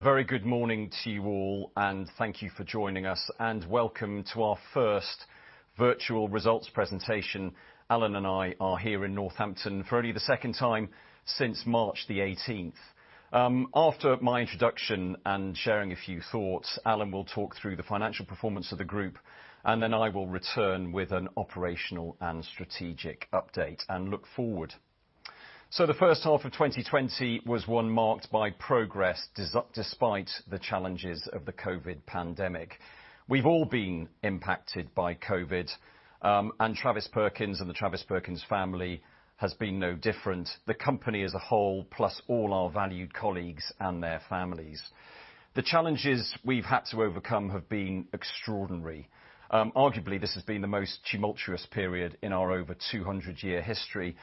Very good morning to you all, and thank you for joining us, and welcome to our first virtual results presentation. Alan and I are here in Northampton for only the second time since March 18th. After my introduction and sharing a few thoughts, Alan will talk through the financial performance of the group. Then I will return with an operational and strategic update and look forward. The first half of 2020 was one marked by progress despite the challenges of the COVID pandemic. We've all been impacted by COVID, and Travis Perkins and the Travis Perkins family has been no different, the company as a whole, plus all our valued colleagues and their families. The challenges we've had to overcome have been extraordinary. Arguably, this has been the most tumultuous period in our over 200-year history.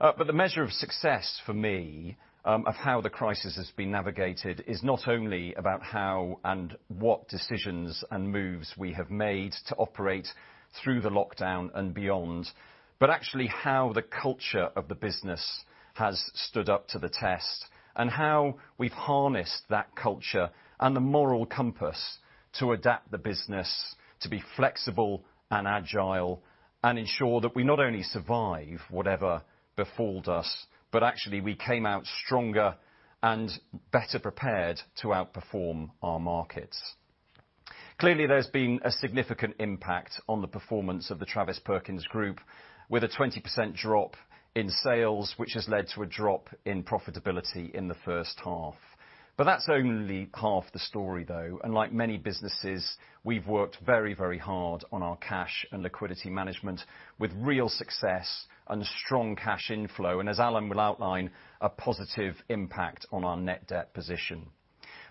The measure of success for me, of how the crisis has been navigated, is not only about how and what decisions and moves we have made to operate through the lockdown and beyond, but actually how the culture of the business has stood up to the test, and how we've harnessed that culture and the moral compass to adapt the business to be flexible and agile, and ensure that we not only survive whatever befalls us, but actually, we came out stronger and better prepared to outperform our markets. Clearly, there's been a significant impact on the performance of the Travis Perkins Group, with a 20% drop in sales, which has led to a drop in profitability in the first half. That's only half the story, though. Like many businesses, we've worked very hard on our cash and liquidity management with real success and strong cash inflow, and as Alan will outline, a positive impact on our net debt position.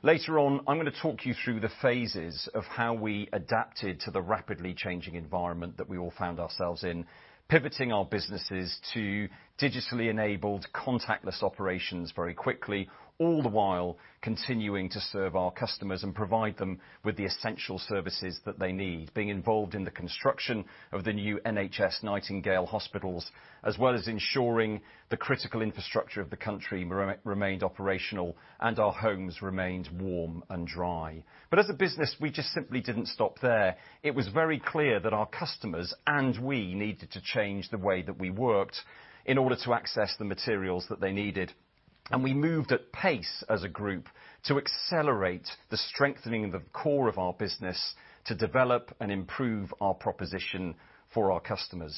Later on, I'm going to talk you through the phases of how we adapted to the rapidly changing environment that we all found ourselves in, pivoting our businesses to digitally enabled contactless operations very quickly, all the while continuing to serve our customers and provide them with the essential services that they need, being involved in the construction of the new NHS Nightingale Hospitals, as well as ensuring the critical infrastructure of the country remained operational and our homes remained warm and dry. As a business, we just simply didn't stop there. It was very clear that our customers and we needed to change the way that we worked in order to access the materials that they needed. We moved at pace as a group to accelerate the strengthening of the core of our business to develop and improve our proposition for our customers.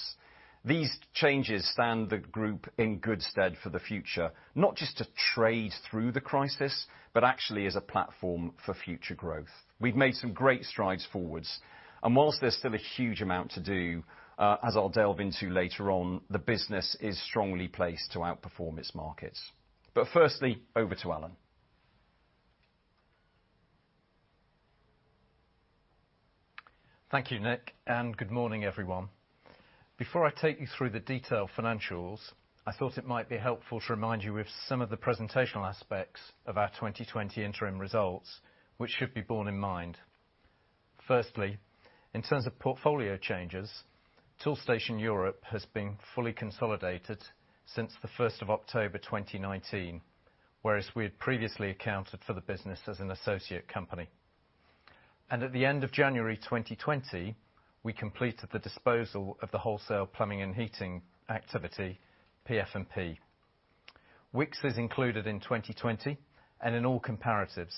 These changes stand the group in good stead for the future, not just to trade through the crisis, but actually as a platform for future growth. We've made some great strides forwards, and whilst there's still a huge amount to do, as I'll delve into later on, the business is strongly placed to outperform its markets. Firstly, over to Alan. Thank you, Nick, and good morning, everyone. Before I take you through the detailed financials, I thought it might be helpful to remind you of some of the presentational aspects of our 2020 interim results, which should be borne in mind. Firstly, in terms of portfolio changes, Toolstation Europe has been fully consolidated since the 1st of October 2019, whereas we had previously accounted for the business as an associate company. At the end of January 2020, we completed the disposal of the wholesale plumbing and heating activity, PF&P. Wickes is included in 2020 and in all comparatives,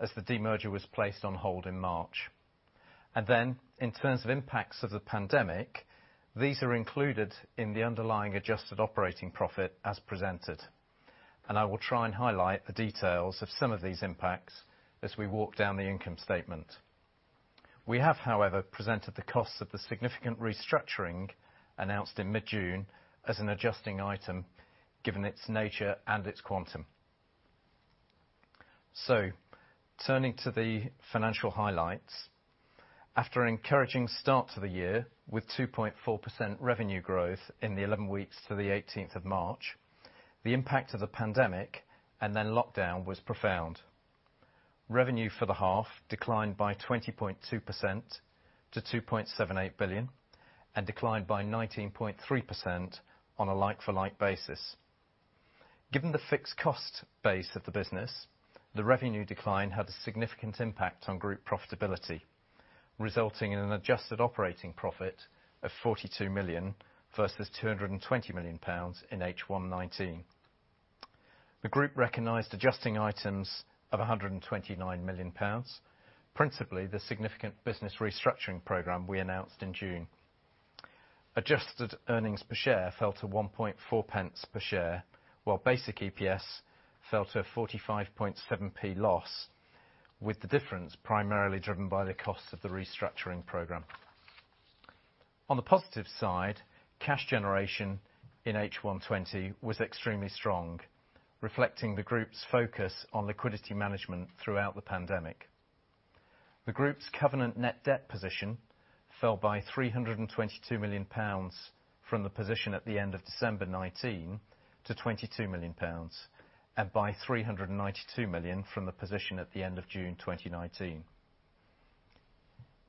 as the demerger was placed on hold in March. In terms of impacts of the pandemic, these are included in the underlying adjusted operating profit as presented. I will try and highlight the details of some of these impacts as we walk down the income statement. We have, however, presented the costs of the significant restructuring announced in mid-June as an adjusting item, given its nature and its quantum. Turning to the financial highlights. After an encouraging start to the year, with 2.4% revenue growth in the 11 weeks to the 18th of March, the impact of the pandemic and then lockdown was profound. Revenue for the half declined by 20.2% to 2.78 billion and declined by 19.3% on a like-for-like basis. Given the fixed cost base of the business, the revenue decline had a significant impact on group profitability, resulting in an adjusted operating profit of 42 million versus 220 million pounds in H1 2019. The group recognized adjusting items of 129 million pounds, principally the significant business restructuring program we announced in June. Adjusted earnings per share fell to 0.014 per share, while basic EPS fell to a 0.457 loss, with the difference primarily driven by the cost of the restructuring program. On the positive side, cash generation in H1 2020 was extremely strong, reflecting the group's focus on liquidity management throughout the pandemic. The group's covenant net debt position fell by 322 million pounds from the position at the end of December 2019 to 22 million pounds and by 392 million from the position at the end of June 2019.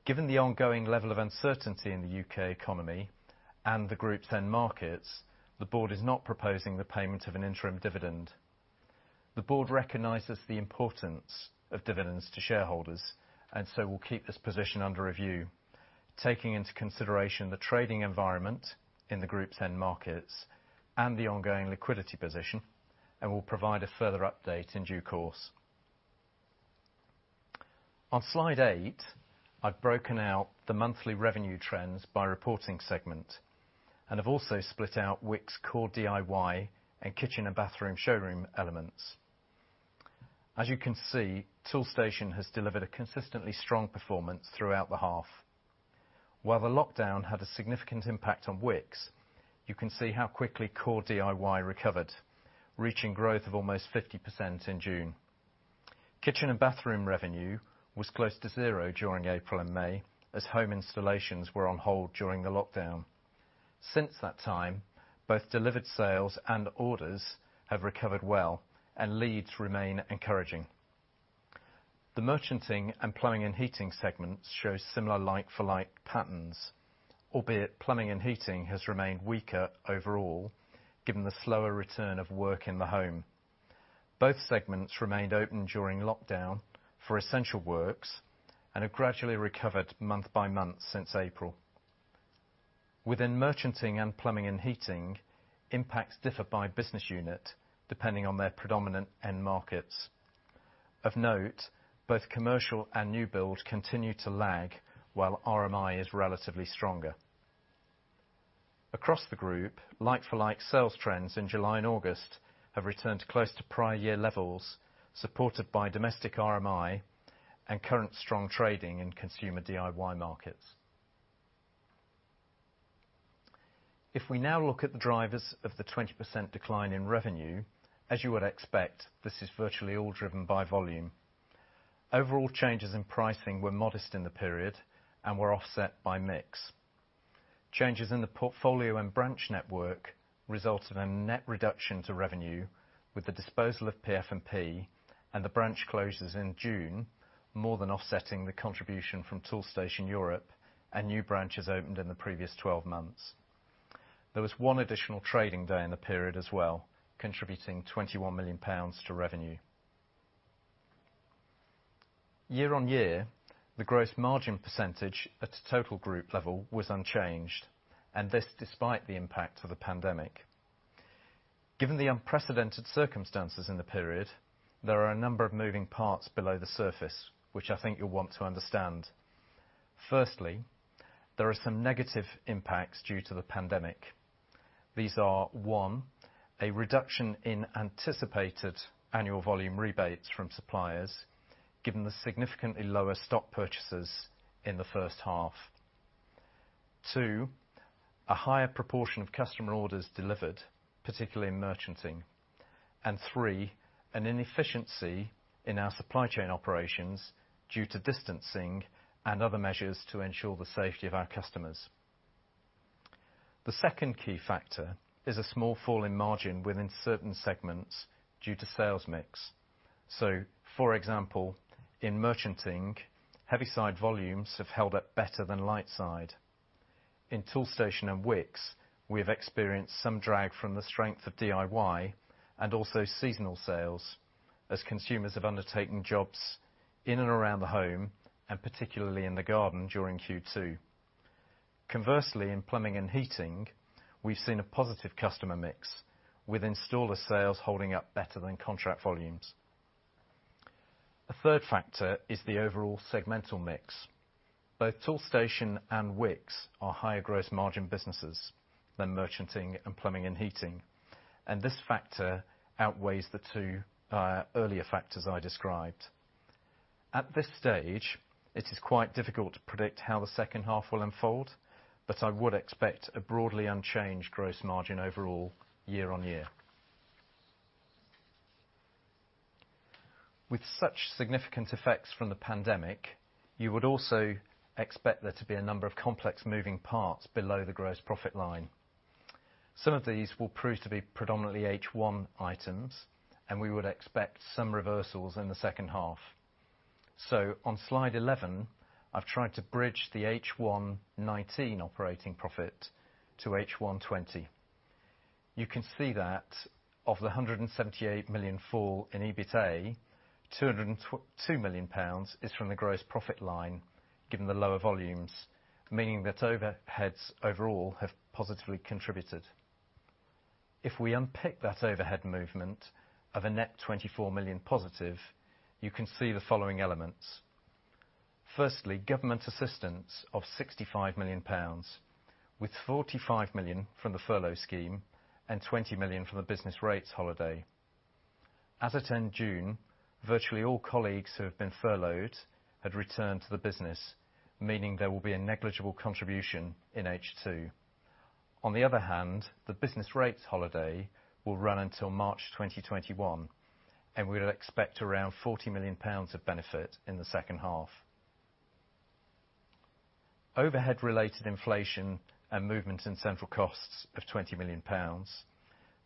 Given the ongoing level of uncertainty in the U.K. economy and the group's end markets, the board is not proposing the payment of an interim dividend. The board recognizes the importance of dividends to shareholders, and so will keep this position under review, taking into consideration the trading environment in the group's end markets and the ongoing liquidity position, and will provide a further update in due course. On slide eight, I've broken out the monthly revenue trends by reporting segment, and have also split out Wickes' core DIY and kitchen and bathroom showroom elements. As you can see, Toolstation has delivered a consistently strong performance throughout the half. While the lockdown had a significant impact on Wickes, you can see how quickly core DIY recovered, reaching growth of almost 50% in June. Kitchen and bathroom revenue was close to zero during April and May as home installations were on hold during the lockdown. Since that time, both delivered sales and orders have recovered well, and leads remain encouraging. The merchanting and plumbing and heating segments show similar like-for-like patterns, albeit plumbing and heating has remained weaker overall given the slower return of work in the home. Both segments remained open during lockdown for essential works, and have gradually recovered month by month since April. Within merchanting and plumbing and heating, impacts differ by business unit depending on their predominant end markets. Of note, both commercial and new build continue to lag while RMI is relatively stronger. Across the group, like-for-like sales trends in July and August have returned to close to prior year levels, supported by domestic RMI and current strong trading in consumer DIY markets. If we now look at the drivers of the 20% decline in revenue, as you would expect, this is virtually all driven by volume. Overall changes in pricing were modest in the period and were offset by mix. Changes in the portfolio and branch network resulted in net reduction to revenue, with the disposal of PF&P and the branch closures in June more than offsetting the contribution from Toolstation Europe and new branches opened in the previous 12 months. There was one additional trading day in the period as well, contributing 21 million pounds to revenue. Year-on-year, the gross margin percentage at total group level was unchanged, and this despite the impact of the pandemic. Given the unprecedented circumstances in the period, there are a number of moving parts below the surface, which I think you'll want to understand. Firstly, there are some negative impacts due to the pandemic. These are, one, a reduction in anticipated annual volume rebates from suppliers given the significantly lower stock purchases in the first half. Two, a higher proportion of customer orders delivered, particularly in merchanting, and three, an inefficiency in our supply chain operations due to distancing and other measures to ensure the safety of our customers. The second key factor is a small fall in margin within certain segments due to sales mix. For example, in merchanting, heavy side volumes have held up better than light side. In Toolstation and Wickes, we have experienced some drag from the strength of DIY and also seasonal sales as consumers have undertaken jobs in and around the home and particularly in the garden during Q2. Conversely, in plumbing and heating, we've seen a positive customer mix, with installer sales holding up better than contract volumes. A third factor is the overall segmental mix. Both Toolstation and Wickes are higher gross margin businesses than merchanting and plumbing and heating. This factor outweighs the two earlier factors I described. At this stage, it is quite difficult to predict how the second half will unfold. I would expect a broadly unchanged gross margin overall year-on-year. With such significant effects from the pandemic, you would also expect there to be a number of complex moving parts below the gross profit line. Some of these will prove to be predominantly H1 items. We would expect some reversals in the second half. On slide 11, I've tried to bridge the H1 2019 operating profit to H1 2020. You can see that of the 178 million fall in EBITA, 202 million pounds is from the gross profit line, given the lower volumes, meaning that overheads overall have positively contributed. If we unpick that overhead movement of a net 24 million positive, you can see the following elements. Firstly, government assistance of 65 million pounds, with 45 million from the furlough scheme and 20 million from the business rates holiday. As at end June, virtually all colleagues who have been furloughed had returned to the business, meaning there will be a negligible contribution in H2. On the other hand, the business rates holiday will run until March 2021, and we'll expect around 40 million pounds of benefit in the second half. Overhead related inflation and movements in central costs of 20 million pounds,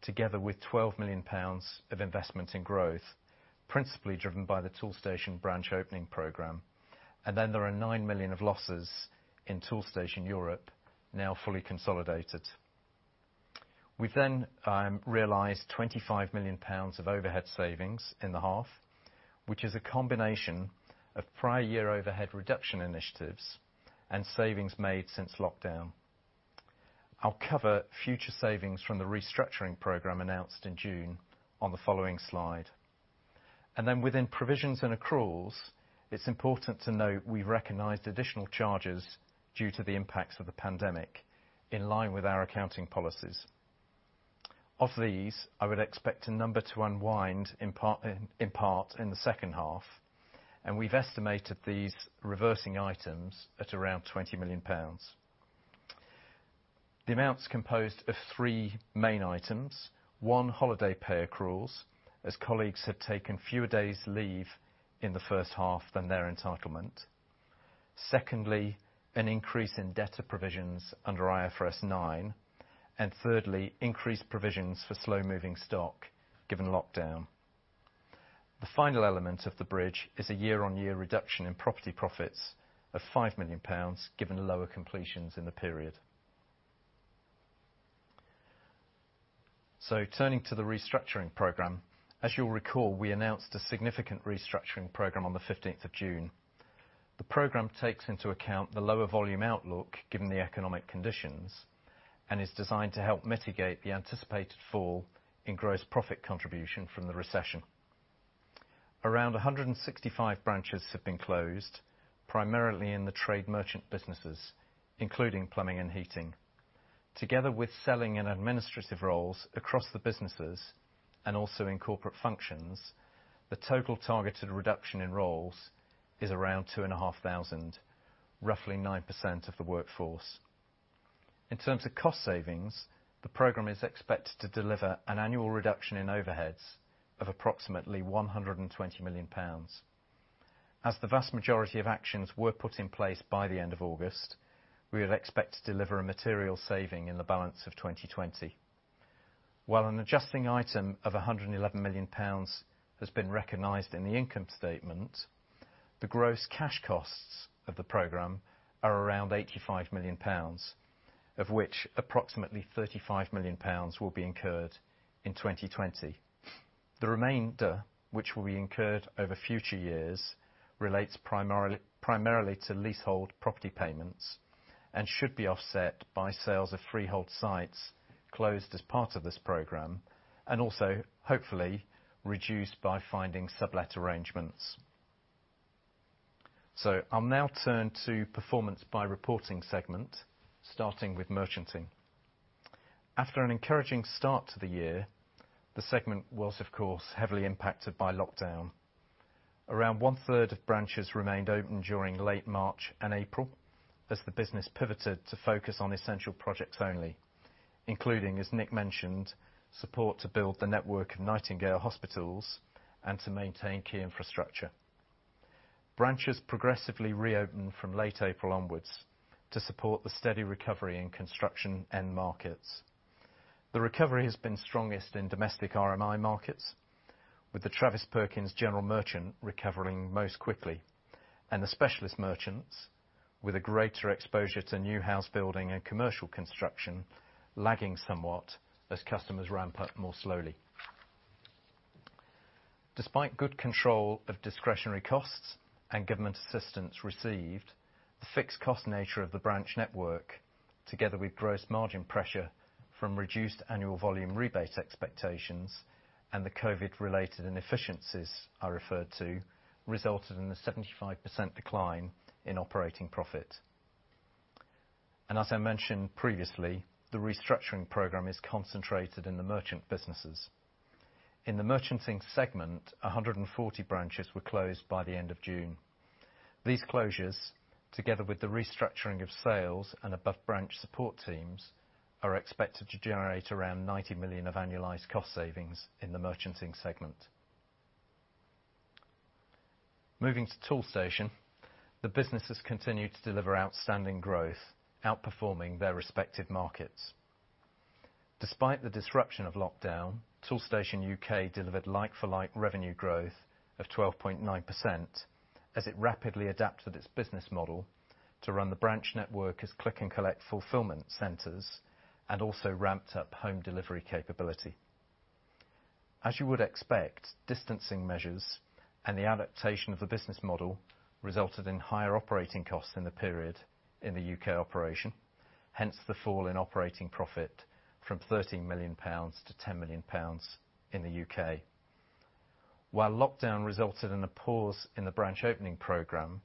together with 12 million pounds of investment in growth, principally driven by the Toolstation branch opening program. There are 9 million of losses in Toolstation Europe, now fully consolidated. We've realized 25 million pounds of overhead savings in the half, which is a combination of prior year overhead reduction initiatives and savings made since lockdown. I'll cover future savings from the restructuring program announced in June on the following slide. Within provisions and accruals, it's important to note we recognized additional charges due to the impacts of the pandemic, in line with our accounting policies. Of these, I would expect a number to unwind in part in the second half, and we've estimated these reversing items at around 20 million pounds. The amount's composed of three main items. One, holiday pay accruals, as colleagues have taken fewer days leave in the first half than their entitlement. Secondly, an increase in debtor provisions under IFRS 9, and thirdly, increased provisions for slow-moving stock given lockdown. The final element of the bridge is a year-on-year reduction in property profits of 5 million pounds, given lower completions in the period. Turning to the restructuring program, as you'll recall, we announced a significant restructuring program on the 15th of June. The program takes into account the lower volume outlook, given the economic conditions, and is designed to help mitigate the anticipated fall in gross profit contribution from the recession. Around 165 branches have been closed, primarily in the trade merchant businesses, including plumbing and heating. Together with selling in administrative roles across the businesses and also in corporate functions, the total targeted reduction in roles is around 2,500, roughly 9% of the workforce. In terms of cost savings, the program is expected to deliver an annual reduction in overheads of approximately 120 million pounds. As the vast majority of actions were put in place by the end of August, we would expect to deliver a material saving in the balance of 2020. While an adjusting item of £111 million has been recognized in the income statement, the gross cash costs of the program are around £85 million, of which approximately £35 million will be incurred in 2020. The remainder, which will be incurred over future years, relates primarily to leasehold property payments and should be offset by sales of freehold sites closed as part of this program, and also, hopefully, reduced by finding sublet arrangements. I'll now turn to performance by reporting segment, starting with merchanting. After an encouraging start to the year, the segment was, of course, heavily impacted by lockdown. Around one-third of branches remained open during late March and April as the business pivoted to focus on essential projects only, including, as Nick mentioned, support to build the network of NHS Nightingale Hospitals and to maintain key infrastructure. Branches progressively reopened from late April onwards to support the steady recovery in construction end markets. The recovery has been strongest in domestic RMI markets, with the Travis Perkins general merchant recovering most quickly, and the specialist merchants with a greater exposure to new house building and commercial construction lagging somewhat as customers ramp up more slowly. Despite good control of discretionary costs and government assistance received, the fixed cost nature of the branch network, together with gross margin pressure from reduced annual volume rebate expectations and the COVID-related inefficiencies I referred to, resulted in a 75% decline in operating profit. As I mentioned previously, the restructuring program is concentrated in the merchant businesses. In the merchanting segment, 140 branches were closed by the end of June. These closures, together with the restructuring of sales and above branch support teams, are expected to generate around 90 million of annualized cost savings in the merchanting segment. Moving to Toolstation, the business has continued to deliver outstanding growth, outperforming their respective markets. Despite the disruption of lockdown, Toolstation UK delivered like-for-like revenue growth of 12.9% as it rapidly adapted its business model to run the branch network as click-and-collect fulfillment centers, and also ramped up home delivery capability. As you would expect, distancing measures and the adaptation of the business model resulted in higher operating costs in the period in the U.K. operation, hence the fall in operating profit from 13 million pounds to 10 million pounds in the U.K. While lockdown resulted in a pause in the branch opening program,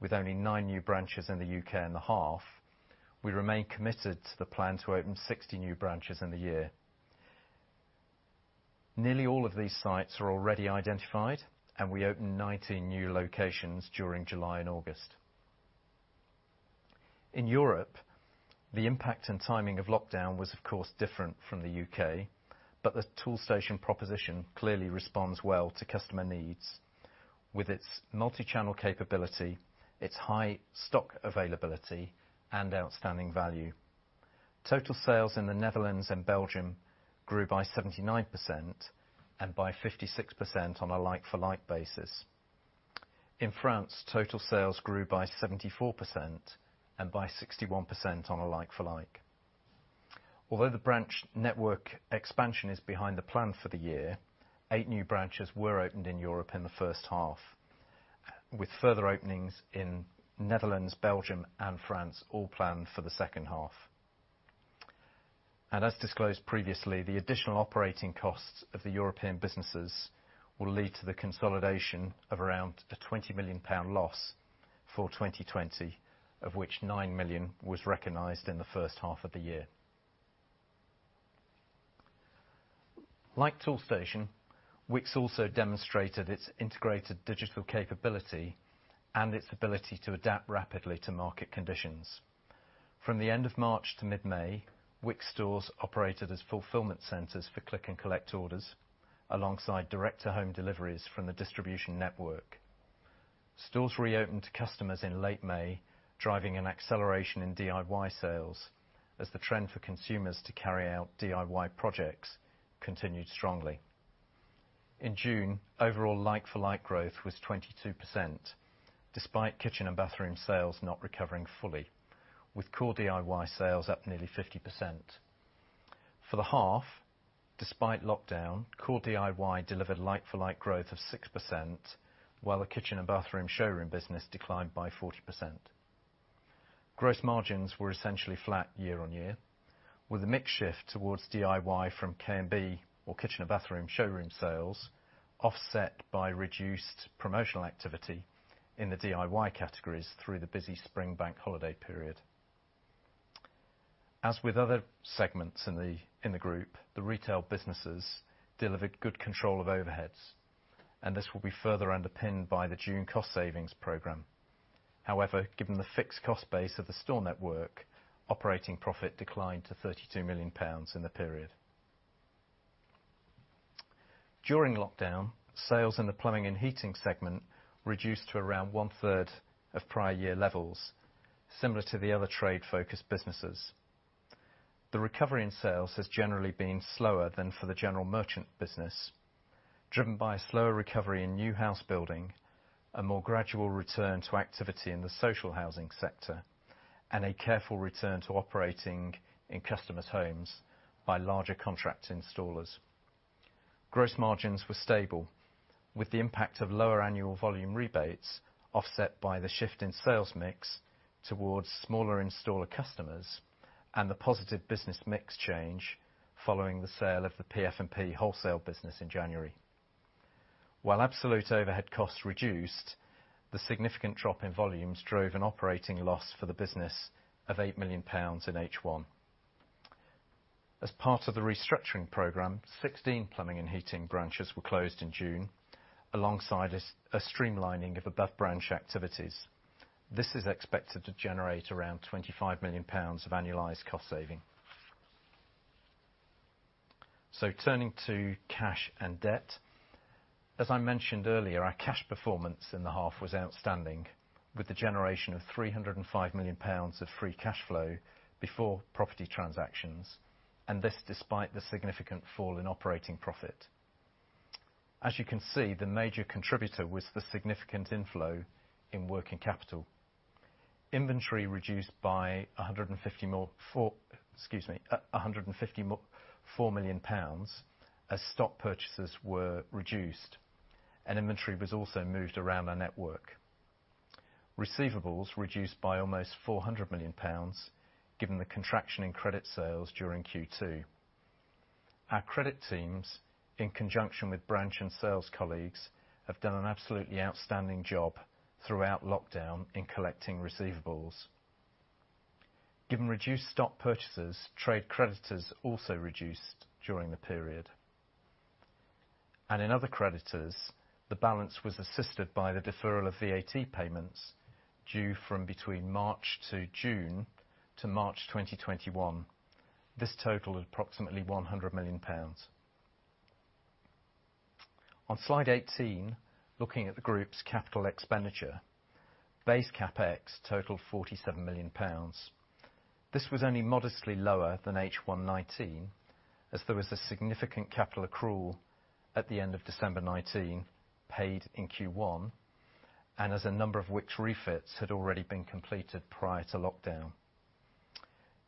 with only nine new branches in the U.K. in the half, we remain committed to the plan to open 60 new branches in the year. Nearly all of these sites are already identified. We opened 19 new locations during July and August. In Europe. The impact and timing of lockdown was, of course, different from the U.K., but the Toolstation proposition clearly responds well to customer needs with its multi-channel capability, its high stock availability, and outstanding value. Total sales in the Netherlands and Belgium grew by 79% and by 56% on a like-for-like basis. In France, total sales grew by 74% and by 61% on a like-for-like. Although the branch network expansion is behind the plan for the year, eight new branches were opened in Europe in the first half, with further openings in Netherlands, Belgium, and France all planned for the second half. As disclosed previously, the additional operating costs of the European businesses will lead to the consolidation of around a 20 million pound loss for 2020, of which 9 million was recognized in the first half of the year. Like Toolstation, Wickes also demonstrated its integrated digital capability and its ability to adapt rapidly to market conditions. From the end of March to mid-May, Wickes stores operated as fulfillment centers for click-and-collect orders, alongside direct-to-home deliveries from the distribution network. Stores reopened to customers in late May, driving an acceleration in DIY sales as the trend for consumers to carry out DIY projects continued strongly. In June, overall like-for-like growth was 22%, despite kitchen and bathroom sales not recovering fully, with core DIY sales up nearly 50%. For the half, despite lockdown, core DIY delivered like-for-like growth of 6%, while the kitchen and bathroom showroom business declined by 40%. Gross margins were essentially flat year-on-year, with a mix shift towards DIY from K&B, or kitchen and bathroom, showroom sales offset by reduced promotional activity in the DIY categories through the busy spring bank holiday period. As with other segments in the group, the retail businesses delivered good control of overheads, and this will be further underpinned by the June cost savings program. However, given the fixed cost base of the store network, operating profit declined to 32 million pounds in the period. During lockdown, sales in the plumbing and heating segment reduced to around one-third of prior year levels, similar to the other trade-focused businesses. The recovery in sales has generally been slower than for the general merchant business, driven by a slower recovery in new house building, a more gradual return to activity in the social housing sector, and a careful return to operating in customers' homes by larger contract installers. Gross margins were stable, with the impact of lower annual volume rebates offset by the shift in sales mix towards smaller installer customers and the positive business mix change following the sale of the PF&P wholesale business in January. While absolute overhead costs reduced, the significant drop in volumes drove an operating loss for the business of 8 million pounds in H1. As part of the restructuring program, 16 plumbing and heating branches were closed in June, alongside a streamlining of above-branch activities. This is expected to generate around 25 million pounds of annualized cost saving. Turning to cash and debt, as I mentioned earlier, our cash performance in the half was outstanding, with the generation of 305 million pounds of free cash flow before property transactions, and this despite the significant fall in operating profit. As you can see, the major contributor was the significant inflow in working capital. Inventory reduced by 154 million pounds as stock purchases were reduced, and inventory was also moved around our network. Receivables reduced by almost 400 million pounds, given the contraction in credit sales during Q2. Our credit teams, in conjunction with branch and sales colleagues, have done an absolutely outstanding job throughout lockdown in collecting receivables. Given reduced stock purchases, trade creditors also reduced during the period. In other creditors, the balance was assisted by the deferral of VAT payments due from between March to June to March 2021. This totaled approximately GBP 100 million. On slide 18, looking at the group's capital expenditure, base CapEx totaled 47 million pounds. This was only modestly lower than H1 2019, as there was a significant capital accrual at the end of December 2019, paid in Q1, and as a number of Wickes refits had already been completed prior to lockdown.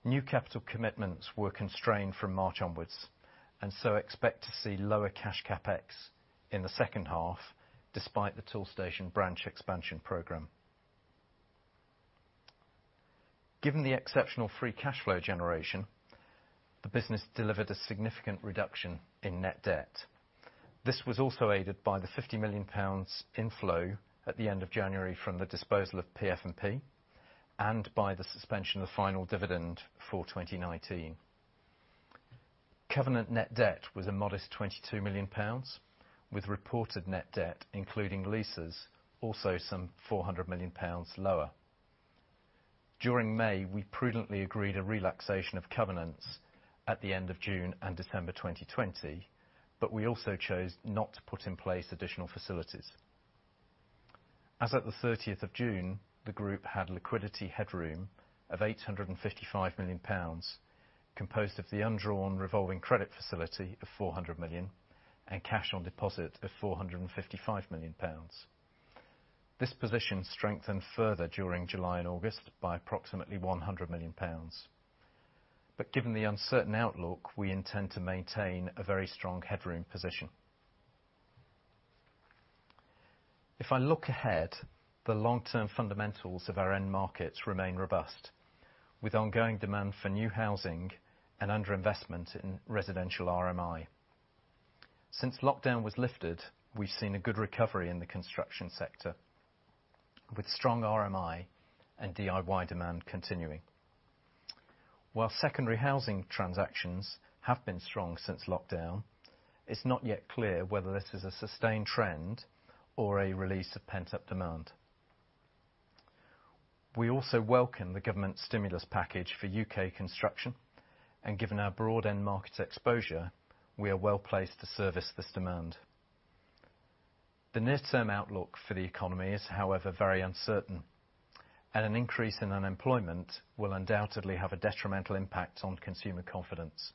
New capital commitments were constrained from March onwards and so expect to see lower cash CapEx in the second half, despite the Toolstation branch expansion program. Given the exceptional free cash flow generation, the business delivered a significant reduction in net debt. This was also aided by the 50 million pounds inflow at the end of January from the disposal of PF&P and by the suspension of final dividend for 2019. Covenant net debt was a modest 22 million pounds, with reported net debt, including leases, also some 400 million pounds lower. During May, we prudently agreed a relaxation of covenants at the end of June and December 2020. We also chose not to put in place additional facilities. As at the 30th of June, the group had liquidity headroom of 855 million pounds, composed of the undrawn revolving credit facility of 400 million, and cash on deposit of 455 million pounds. This position strengthened further during July and August by approximately 100 million pounds. Given the uncertain outlook, we intend to maintain a very strong headroom position. If I look ahead, the long-term fundamentals of our end markets remain robust, with ongoing demand for new housing and underinvestment in residential RMI. Since lockdown was lifted, we've seen a good recovery in the construction sector, with strong RMI and DIY demand continuing. While secondary housing transactions have been strong since lockdown, it's not yet clear whether this is a sustained trend or a release of pent-up demand. We also welcome the government stimulus package for U.K. construction. Given our broad end-markets exposure, we are well-placed to service this demand. The near-term outlook for the economy is, however, very uncertain. An increase in unemployment will undoubtedly have a detrimental impact on consumer confidence.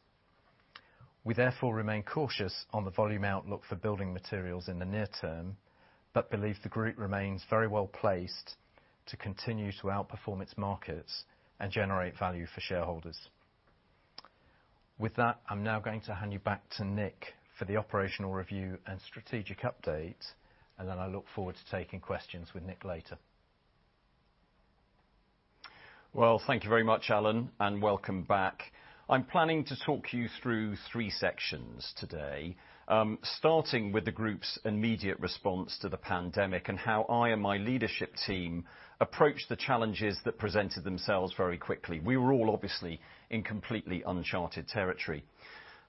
We therefore remain cautious on the volume outlook for building materials in the near term. We believe the group remains very well placed to continue to outperform its markets and generate value for shareholders. With that, I'm now going to hand you back to Nick for the operational review and strategic update. Then I look forward to taking questions with Nick later. Well, thank you very much, Alan, and welcome back. I'm planning to talk you through three sections today. Starting with the group's immediate response to the pandemic and how I and my leadership team approached the challenges that presented themselves very quickly. We were all obviously in completely uncharted territory.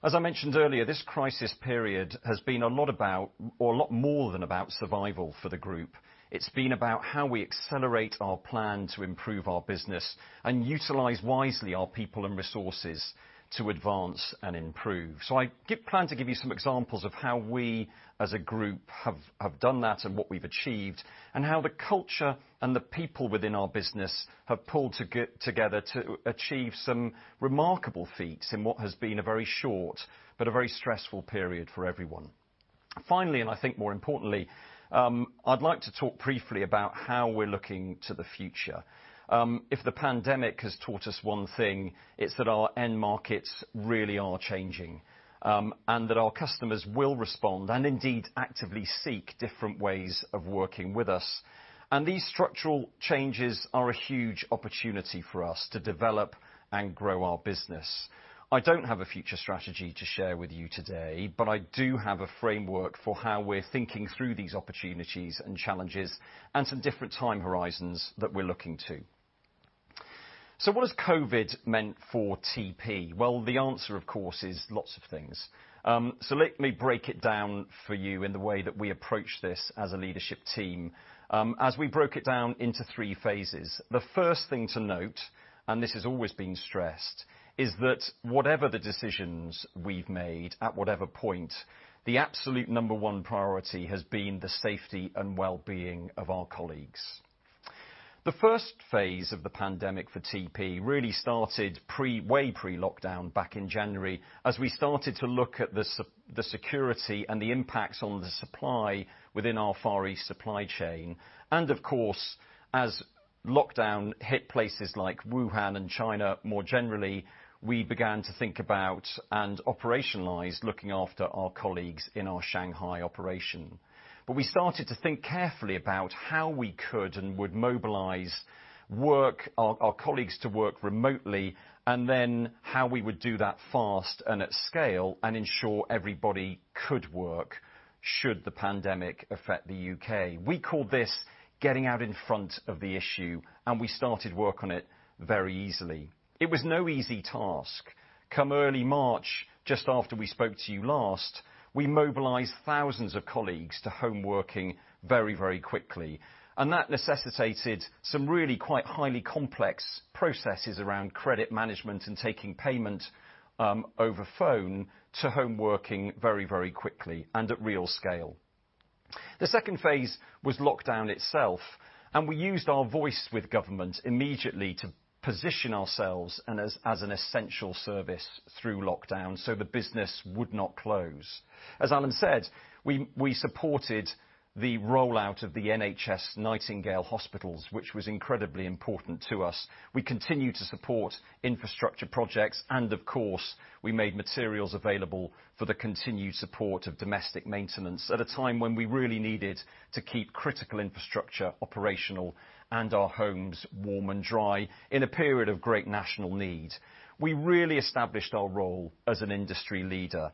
As I mentioned earlier, this crisis period has been a lot more than about survival for the group. It's been about how we accelerate our plan to improve our business and utilize wisely our people and resources to advance and improve. I plan to give you some examples of how we, as a group, have done that and what we've achieved, and how the culture and the people within our business have pulled together to achieve some remarkable feats in what has been a very short but a very stressful period for everyone. Finally, and I think more importantly, I'd like to talk briefly about how we're looking to the future. If the pandemic has taught us one thing, it's that our end markets really are changing, and that our customers will respond and indeed actively seek different ways of working with us. These structural changes are a huge opportunity for us to develop and grow our business. I don't have a future strategy to share with you today, but I do have a framework for how we're thinking through these opportunities and challenges and some different time horizons that we're looking to. What has COVID meant for TP? Well, the answer, of course, is lots of things. Let me break it down for you in the way that we approach this as a leadership team. As we broke it down into three phases, the first thing to note, and this has always been stressed, is that whatever the decisions we've made at whatever point, the absolute number one priority has been the safety and well-being of our colleagues. The first phase of the pandemic for TP really started way pre-lockdown back in January as we started to look at the security and the impacts on the supply within our Far East supply chain. Of course, as lockdown hit places like Wuhan and China more generally, we began to think about and operationalize looking after our colleagues in our Shanghai operation. We started to think carefully about how we could and would mobilize our colleagues to work remotely, and then how we would do that fast and at scale and ensure everybody could work should the pandemic affect the U.K. We call this getting out in front of the issue, and we started work on it very easily. It was no easy task. Come early March, just after we spoke to you last, we mobilized thousands of colleagues to home working very quickly. That necessitated some really quite highly complex processes around credit management and taking payment over phone to home working very quickly and at real scale. The second phase was lockdown itself, and we used our voice with government immediately to position ourselves as an essential service through lockdown so the business would not close. As Alan said, we supported the rollout of the NHS Nightingale Hospitals, which was incredibly important to us. We continued to support infrastructure projects. Of course, we made materials available for the continued support of domestic maintenance at a time when we really needed to keep critical infrastructure operational and our homes warm and dry in a period of great national need. We really established our role as an industry leader,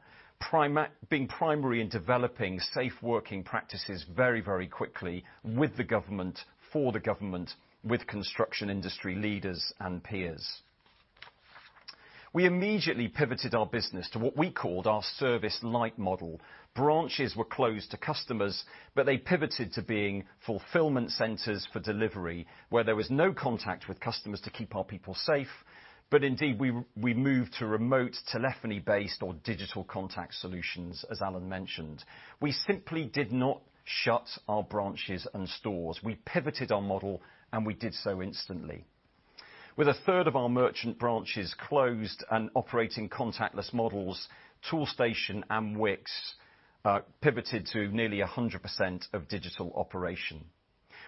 being primary in developing safe working practices very quickly with the government, for the government, with construction industry leaders and peers. We immediately pivoted our business to what we called our service light model. Branches were closed to customers. They pivoted to being fulfillment centers for delivery where there was no contact with customers to keep our people safe. Indeed, we moved to remote telephony-based or digital contact solutions, as Alan mentioned. We simply did not shut our branches and stores. We pivoted our model. We did so instantly. With a third of our merchant branches closed and operating contactless models, Toolstation and Wickes pivoted to nearly 100% of digital operation.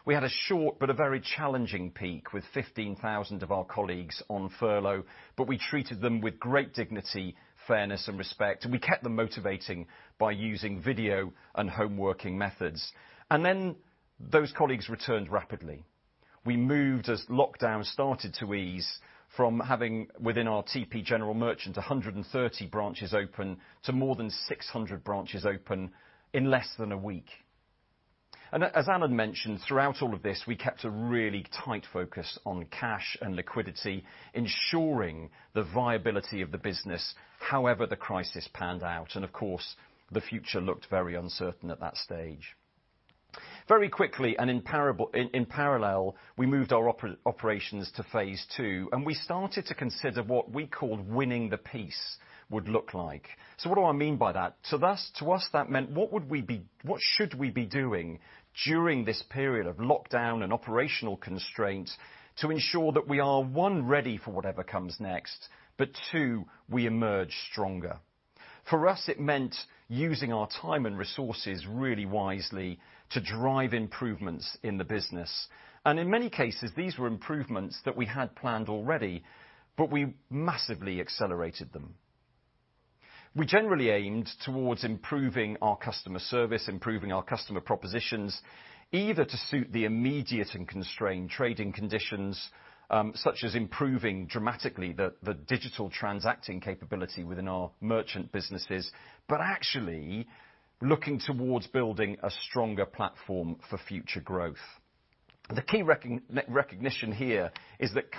We had a short but a very challenging peak with 15,000 of our colleagues on furlough, we treated them with great dignity, fairness, and respect, we kept them motivating by using video and home working methods. Those colleagues returned rapidly. We moved, as lockdown started to ease, from having within our TP General Merchant 130 branches open to more than 600 branches open in less than a week. As Alan mentioned, throughout all of this, we kept a really tight focus on cash and liquidity, ensuring the viability of the business however the crisis panned out, and of course, the future looked very uncertain at that stage. Very quickly and in parallel, we moved our operations to phase II, and we started to consider what we called winning the peace would look like. What do I mean by that? To us, that meant what should we be doing during this period of lockdown and operational constraints to ensure that we are, one, ready for whatever comes next, but two, we emerge stronger. For us, it meant using our time and resources really wisely to drive improvements in the business. In many cases, these were improvements that we had planned already, but we massively accelerated them. We generally aimed towards improving our customer service, improving our customer propositions, either to suit the immediate and constrained trading conditions, such as improving dramatically the digital transacting capability within our merchant businesses. Actually looking towards building a stronger platform for future growth. The key recognition here is that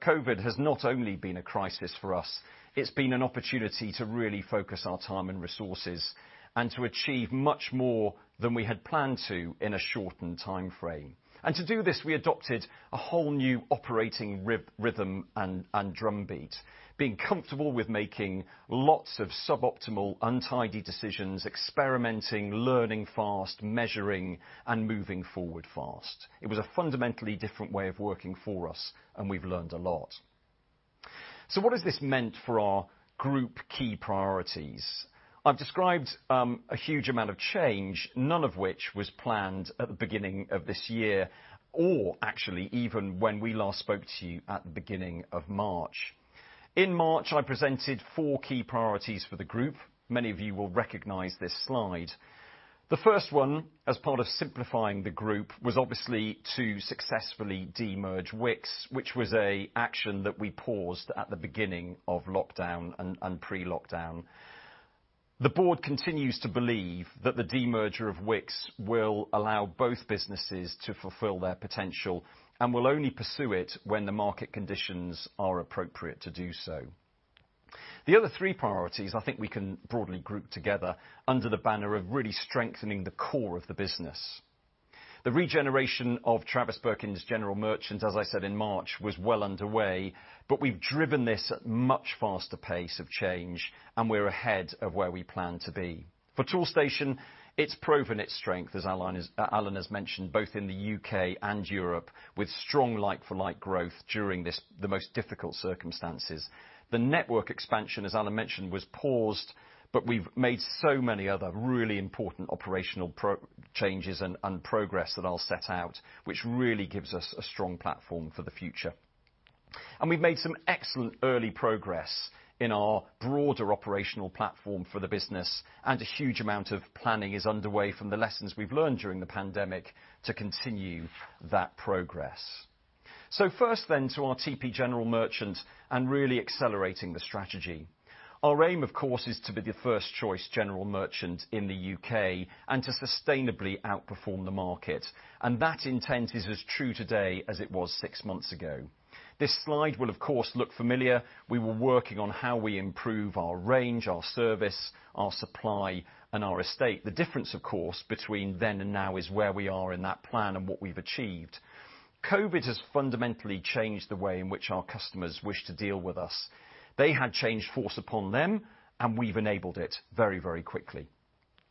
COVID has not only been a crisis for us, it's been an opportunity to really focus our time and resources and to achieve much more than we had planned to in a shortened timeframe. To do this, we adopted a whole new operating rhythm and drumbeat, being comfortable with making lots of suboptimal, untidy decisions, experimenting, learning fast, measuring, and moving forward fast. It was a fundamentally different way of working for us, and we've learned a lot. What has this meant for our group key priorities? I've described a huge amount of change, none of which was planned at the beginning of this year, or actually even when we last spoke to you at the beginning of March. In March, I presented four key priorities for the group. Many of you will recognize this slide. The first one, as part of simplifying the group, was obviously to successfully de-merge Wickes, which was an action that we paused at the beginning of lockdown and pre-lockdown. The board continues to believe that the de-merger of Wickes will allow both businesses to fulfill their potential and will only pursue it when the market conditions are appropriate to do so. The other three priorities I think we can broadly group together under the banner of really strengthening the core of the business. The regeneration of Travis Perkins General Merchant, as I said in March, was well underway. We've driven this at much faster pace of change, and we're ahead of where we plan to be. For Toolstation, it's proven its strength, as Alan has mentioned, both in the U.K. and Europe with strong like-for-like growth during the most difficult circumstances. The network expansion, as Alan mentioned, was paused, but we've made so many other really important operational changes and progress that I'll set out, which really gives us a strong platform for the future. We've made some excellent early progress in our broader operational platform for the business, and a huge amount of planning is underway from the lessons we've learned during the pandemic to continue that progress. First then to our TP General Merchant and really accelerating the strategy. Our aim, of course, is to be the first choice general merchant in the U.K. and to sustainably outperform the market. That intent is as true today as it was six months ago. This slide will, of course, look familiar. We were working on how we improve our range, our service, our supply, and our estate. The difference, of course, between then and now is where we are in that plan and what we've achieved. COVID has fundamentally changed the way in which our customers wish to deal with us. They had change forced upon them, and we've enabled it very, very quickly.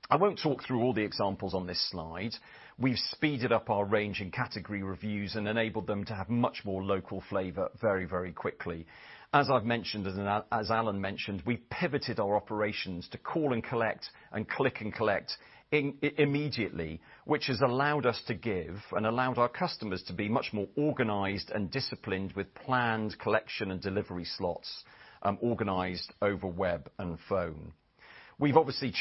I won't talk through all the examples on this slide. We've speeded up our range and category reviews and enabled them to have much more local flavor very, very quickly. As I've mentioned, and as Alan mentioned, we pivoted our operations to call and collect and click and collect immediately, which has allowed us to give and allowed our customers to be much more organized and disciplined with planned collection and delivery slots, organized over web and phone. We've obviously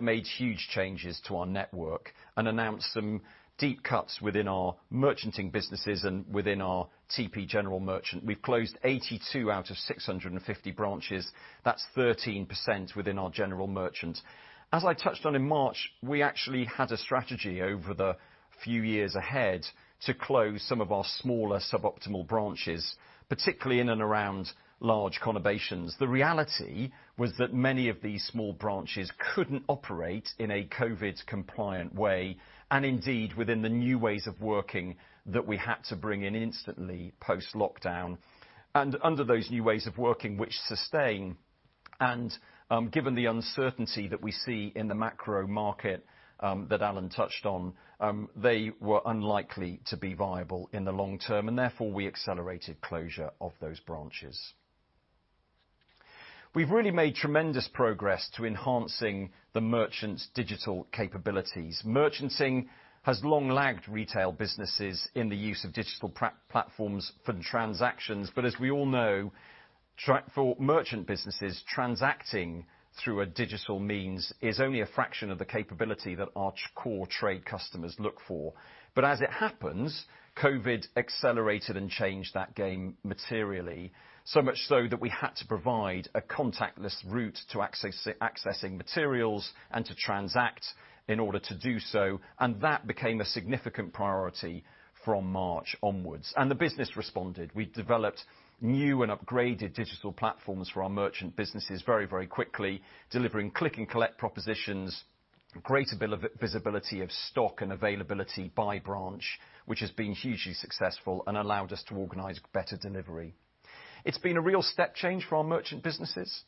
made huge changes to our network and announced some deep cuts within our merchanting businesses and within our TP General Merchant. We've closed 82 out of 650 branches. That's 13% within our General Merchant. As I touched on in March, we actually had a strategy over the few years ahead to close some of our smaller suboptimal branches, particularly in and around large conurbations. The reality was that many of these small branches couldn't operate in a COVID compliant way, and indeed, within the new ways of working that we had to bring in instantly post-lockdown. Under those new ways of working which sustain and given the uncertainty that we see in the macro market that Alan touched on, they were unlikely to be viable in the long term, and therefore, we accelerated closure of those branches. We've really made tremendous progress to enhancing the merchant's digital capabilities. Merchanting has long lagged retail businesses in the use of digital platforms for transactions. As we all know, for merchant businesses, transacting through a digital means is only a fraction of the capability that our core trade customers look for. As it happens, COVID accelerated and changed that game materially. Much so that we had to provide a contactless route to accessing materials and to transact in order to do so, and that became a significant priority from March onwards. The business responded. We developed new and upgraded digital platforms for our merchant businesses very quickly, delivering click and collect propositions, greater visibility of stock and availability by branch, which has been hugely successful and allowed us to organize better delivery. It's been a real step change for our merchant businesses.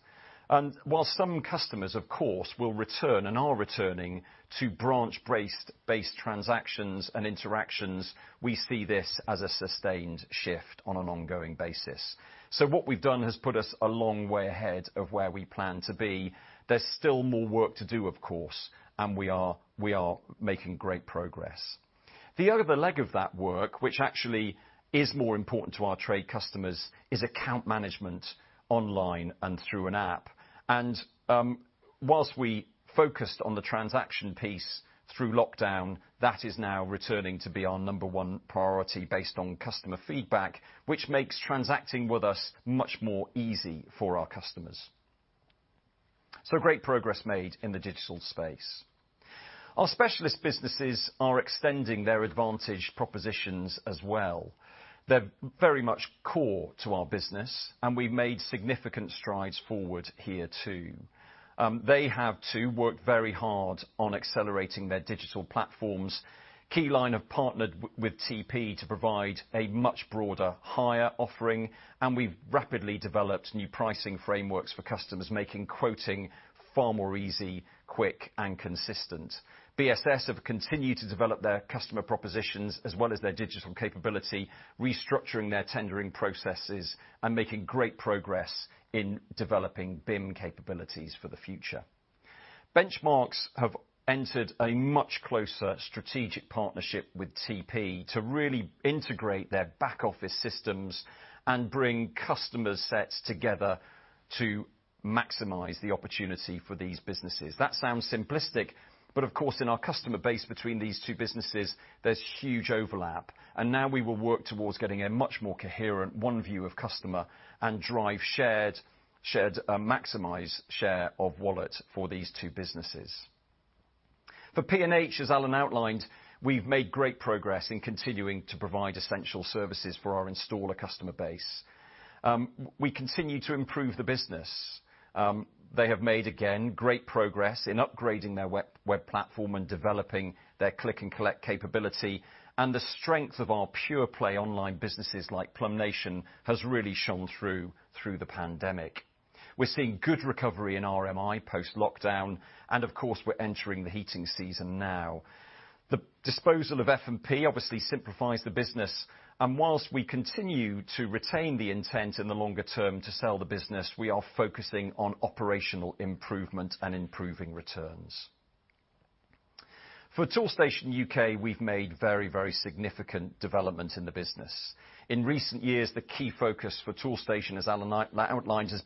While some customers, of course, will return, and are returning to branch-based transactions and interactions, we see this as a sustained shift on an ongoing basis. What we've done has put us a long way ahead of where we plan to be. There's still more work to do, of course, and we are making great progress. The other leg of that work, which actually is more important to our trade customers, is account management online and through an app. Whilst we focused on the transaction piece through lockdown, that is now returning to be our number one priority based on customer feedback, which makes transacting with us much more easy for our customers. Great progress made in the digital space. Our specialist businesses are extending their advantage propositions as well. They're very much core to our business, and we've made significant strides forward here, too. They have, too, worked very hard on accelerating their digital platforms. Keyline have partnered with TP to provide a much broader, hire offering, and we've rapidly developed new pricing frameworks for customers, making quoting far more easy, quick, and consistent. BSS have continued to develop their customer propositions as well as their digital capability, restructuring their tendering processes and making great progress in developing BIM capabilities for the future. Benchmarx have entered a much closer strategic partnership with TP to really integrate their back office systems and bring customer sets together to maximize the opportunity for these businesses. That sounds simplistic, but of course, in our customer base between these two businesses, there's huge overlap, and now we will work towards getting a much more coherent one view of customer and drive shared, maximize share of wallet for these two businesses. For P&H, as Alan outlined, we've made great progress in continuing to provide essential services for our installer customer base. We continue to improve the business. They have made, again, great progress in upgrading their web platform and developing their click and collect capability. The strength of our pure-play online businesses like PlumbNation has really shone through the pandemic. We're seeing good recovery in RMI post-lockdown. Of course, we're entering the heating season now. The disposal of F&P obviously simplifies the business. Whilst we continue to retain the intent in the longer term to sell the business, we are focusing on operational improvement and improving returns. For Toolstation UK, we've made very significant developments in the business. In recent years, the key focus for Toolstation, as Alan outlined, has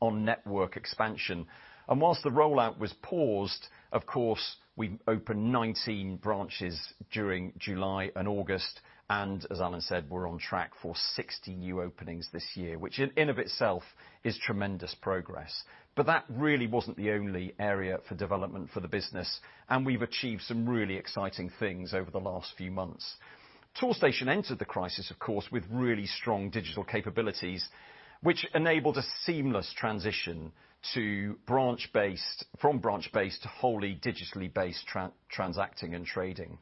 on network expansion. Whilst the rollout was paused, of course, we opened 19 branches during July and August, and as Alan said, we're on track for 60 new openings this year, which in and of itself is tremendous progress. That really wasn't the only area for development for the business, and we've achieved some really exciting things over the last few months. Toolstation entered the crisis, of course, with really strong digital capabilities, which enabled a seamless transition from branch based to wholly digitally based transacting and trading.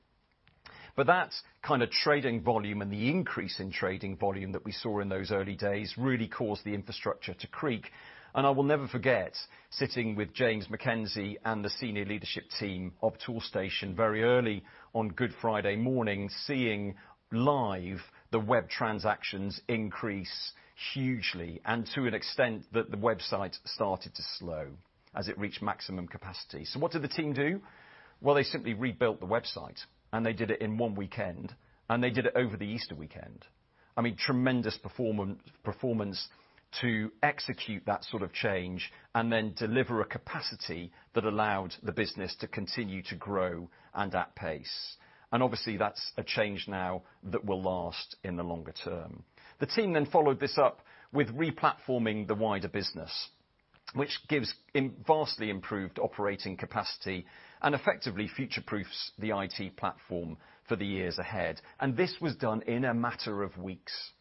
That kind of trading volume and the increase in trading volume that we saw in those early days really caused the infrastructure to creak. I will never forget sitting with James Mackenzie and the senior leadership team of Toolstation very early on Good Friday morning, seeing live the web transactions increase hugely, and to an extent that the website started to slow as it reached maximum capacity. What did the team do? Well, they simply rebuilt the website, and they did it in one weekend, and they did it over the Easter weekend. I mean, tremendous performance to execute that sort of change and then deliver a capacity that allowed the business to continue to grow, and at pace. Obviously, that's a change now that will last in the longer term. The team followed this up with replatforming the wider business, which gives vastly improved operating capacity and effectively future-proofs the IT platform for the years ahead. This was done in a matter of weeks.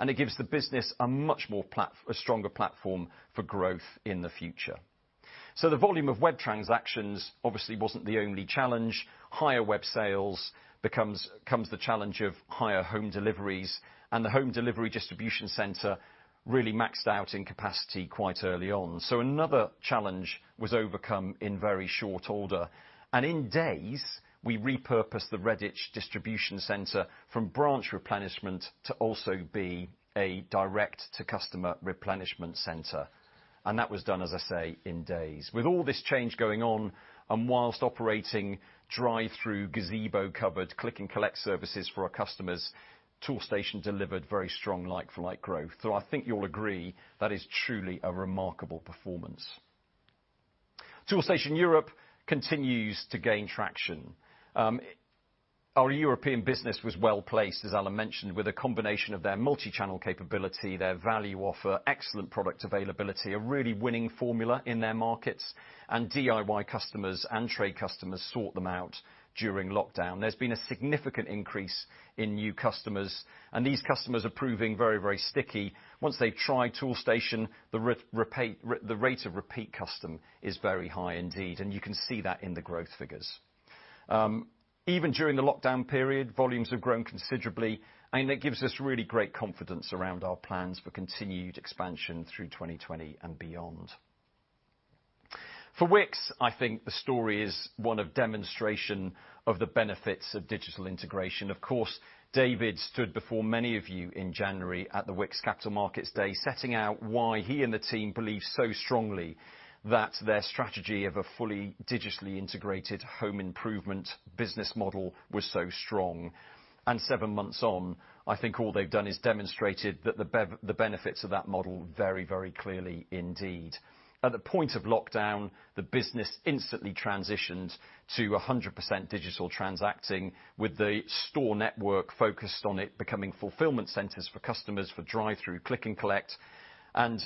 It gives the business a much more stronger platform for growth in the future. The volume of web transactions obviously wasn't the only challenge. Higher web sales comes the challenge of higher home deliveries, and the home delivery distribution center really maxed out in capacity quite early on. Another challenge was overcome in very short order. In days, we repurposed the Redditch distribution center from branch replenishment to also be a direct-to-customer replenishment center. That was done, as I say, in days. With all this change going on, and whilst operating drive-through gazebo covered Click and Collect services for our customers, Toolstation delivered very strong like-for-like growth. I think you'll agree that is truly a remarkable performance. Toolstation Europe continues to gain traction. Our European business was well-placed, as Alan mentioned, with a combination of their multi-channel capability, their value offer, excellent product availability, a really winning formula in their markets, and DIY customers and trade customers sought them out during lockdown. There's been a significant increase in new customers, and these customers are proving very, very sticky. Once they try Toolstation, the rate of repeat custom is very high indeed, and you can see that in the growth figures. Even during the lockdown period, volumes have grown considerably, and it gives us really great confidence around our plans for continued expansion through 2020 and beyond. For Wickes, I think the story is one of demonstration of the benefits of digital integration. Of course, David stood before many of you in January at the Wickes Capital Markets Day, setting out why he and the team believe so strongly that their strategy of a fully digitally integrated home improvement business model was so strong. Seven months on, I think all they've done is demonstrated the benefits of that model very, very clearly indeed. At the point of lockdown, the business instantly transitioned to 100% digital transacting with the store network focused on it becoming fulfillment centers for customers for drive-through Click and Collect, and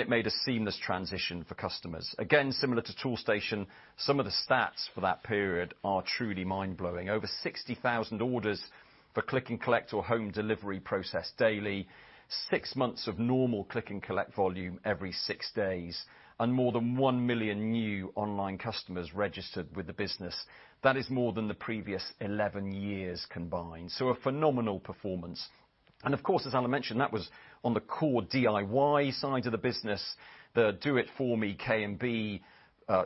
it made a seamless transition for customers. Again, similar to Toolstation, some of the stats for that period are truly mind-blowing. Over 60,000 orders for Click and Collect or home delivery processed daily, six months of normal Click and Collect volume every six days, and more than 1 million new online customers registered with the business. That is more than the previous 11 years combined. A phenomenal performance. Of course, as Alan mentioned, that was on the core DIY side of the business. The Do It For Me K&B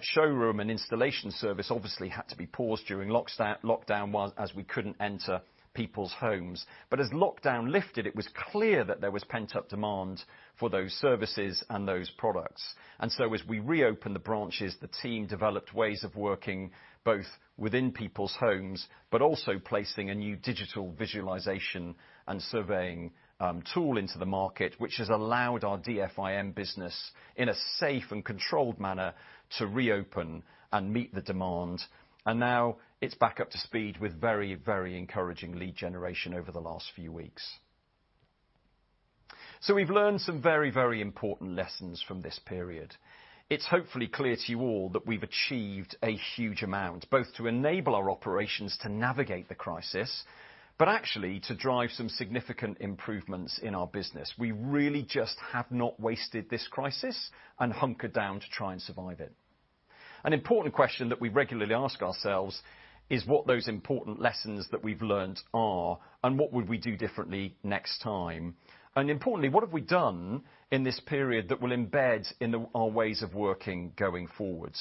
showroom and installation service obviously had to be paused during lockdown as we couldn't enter people's homes. As lockdown lifted, it was clear that there was pent-up demand for those services and those products. As we reopened the branches, the team developed ways of working both within people's homes, but also placing a new digital visualization and surveying tool into the market, which has allowed our DFIM business, in a safe and controlled manner, to reopen and meet the demand. Now it's back up to speed with very encouraging lead generation over the last few weeks. We've learned some very important lessons from this period. It's hopefully clear to you all that we've achieved a huge amount, both to enable our operations to navigate the crisis, but actually to drive some significant improvements in our business. We really just have not wasted this crisis and hunkered down to try and survive it. An important question that we regularly ask ourselves is what those important lessons that we've learned are, and what would we do differently next time? Importantly, what have we done in this period that will embed in our ways of working going forward?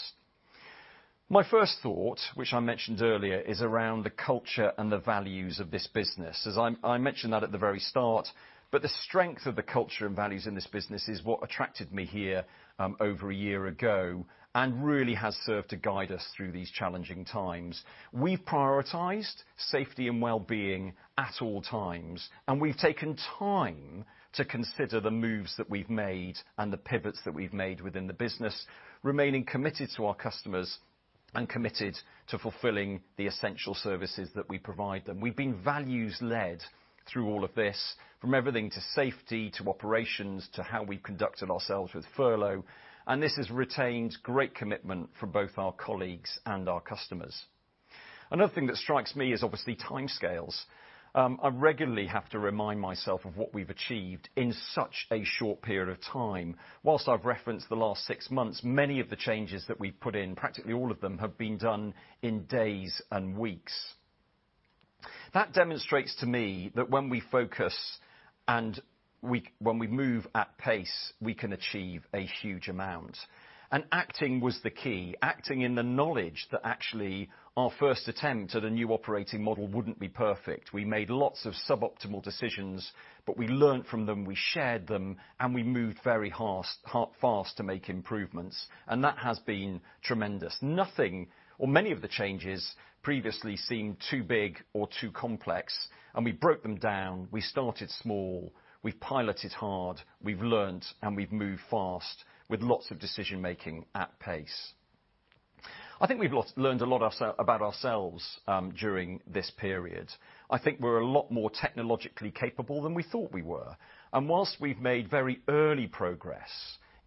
My first thought, which I mentioned earlier, is around the culture and the values of this business. I mentioned that at the very start, but the strength of the culture and values in this business is what attracted me here over a year ago and really has served to guide us through these challenging times. We've prioritized safety and wellbeing at all times, and we've taken time to consider the moves that we've made and the pivots that we've made within the business, remaining committed to our customers and committed to fulfilling the essential services that we provide them. We've been values-led through all of this, from everything to safety, to operations, to how we conducted ourselves with furlough, and this has retained great commitment from both our colleagues and our customers. Another thing that strikes me is obviously timescales. I regularly have to remind myself of what we've achieved in such a short period of time. Whilst I've referenced the last six months, many of the changes that we've put in, practically all of them, have been done in days and weeks. That demonstrates to me that when we focus and when we move at pace, we can achieve a huge amount. Acting was the key, acting in the knowledge that actually our first attempt at a new operating model wouldn't be perfect. We made lots of suboptimal decisions, but we learned from them, we shared them, and we moved very fast to make improvements, and that has been tremendous. Nothing or many of the changes previously seemed too big or too complex, and we broke them down. We started small, we piloted hard, we've learned, and we've moved fast with lots of decision-making at pace. I think we've learned a lot about ourselves during this period. I think we're a lot more technologically capable than we thought we were. Whilst we've made very early progress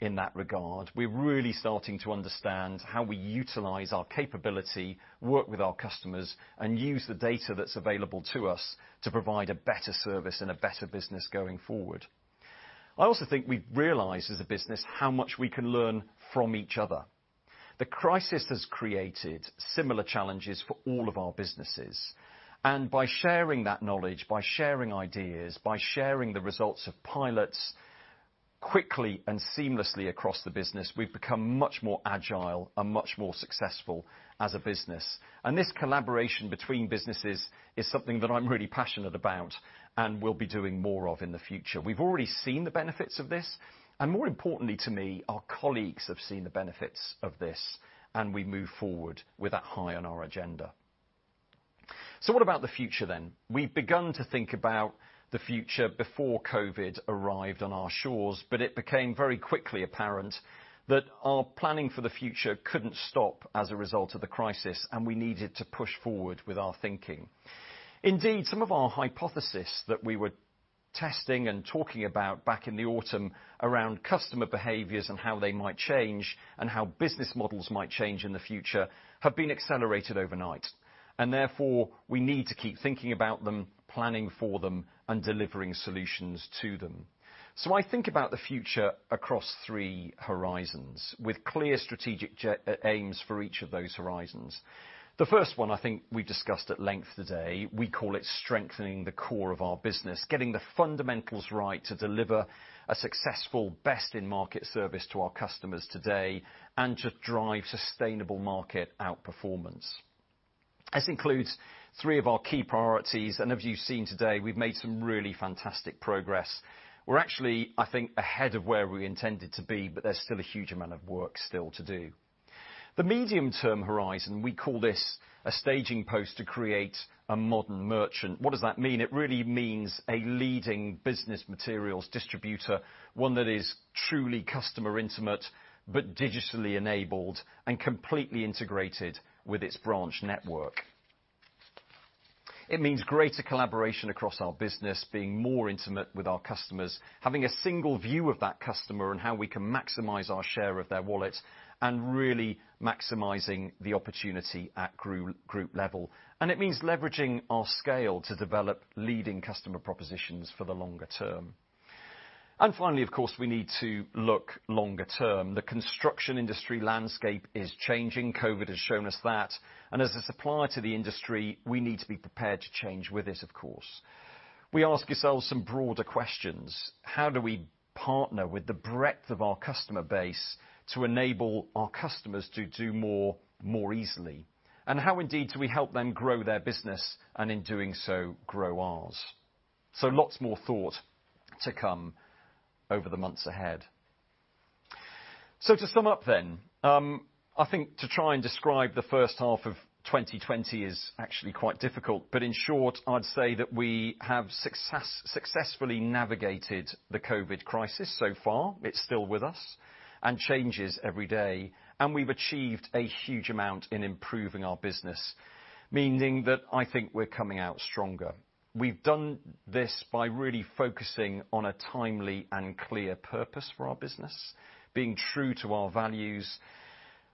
in that regard, we're really starting to understand how we utilize our capability, work with our customers, and use the data that's available to us to provide a better service and a better business going forward. I also think we've realized as a business how much we can learn from each other. The crisis has created similar challenges for all of our businesses. By sharing that knowledge, by sharing ideas, by sharing the results of pilots quickly and seamlessly across the business, we've become much more agile and much more successful as a business. This collaboration between businesses is something that I'm really passionate about and we'll be doing more of in the future. We've already seen the benefits of this, and more importantly to me, our colleagues have seen the benefits of this, and we move forward with that high on our agenda. What about the future then? We've begun to think about the future before COVID arrived on our shores, but it became very quickly apparent that our planning for the future couldn't stop as a result of the crisis, and we needed to push forward with our thinking. Indeed, some of our hypothesis that we were testing and talking about back in the autumn around customer behaviors and how they might change and how business models might change in the future, have been accelerated overnight. Therefore, we need to keep thinking about them, planning for them, and delivering solutions to them. I think about the future across three horizons with clear strategic aims for each of those horizons. The first one, I think we discussed at length today. We call it strengthening the core of our business, getting the fundamentals right to deliver a successful best-in-market service to our customers today, and to drive sustainable market outperformance. This includes three of our key priorities, and as you've seen today, we've made some really fantastic progress. We're actually, I think, ahead of where we intended to be, but there's still a huge amount of work still to do. The medium-term horizon, we call this a staging post to create a modern merchant. What does that mean? It really means a leading business materials distributor, one that is truly customer-intimate, but digitally enabled and completely integrated with its branch network. It means greater collaboration across our business, being more intimate with our customers, having a single view of that customer and how we can maximize our share of their wallet, and really maximizing the opportunity at group level. It means leveraging our scale to develop leading customer propositions for the longer term. Finally, of course, we need to look longer term. The construction industry landscape is changing. COVID has shown us that. As a supplier to the industry, we need to be prepared to change with it, of course. We ask ourselves some broader questions. How do we partner with the breadth of our customer base to enable our customers to do more, more easily? How indeed, do we help them grow their business, and in doing so, grow ours? Lots more thought to come over the months ahead. To sum up then, I think to try and describe the first half of 2020 is actually quite difficult, but in short, I'd say that we have successfully navigated the COVID crisis so far. It's still with us and changes every day. We've achieved a huge amount in improving our business, meaning that I think we're coming out stronger. We've done this by really focusing on a timely and clear purpose for our business, being true to our values,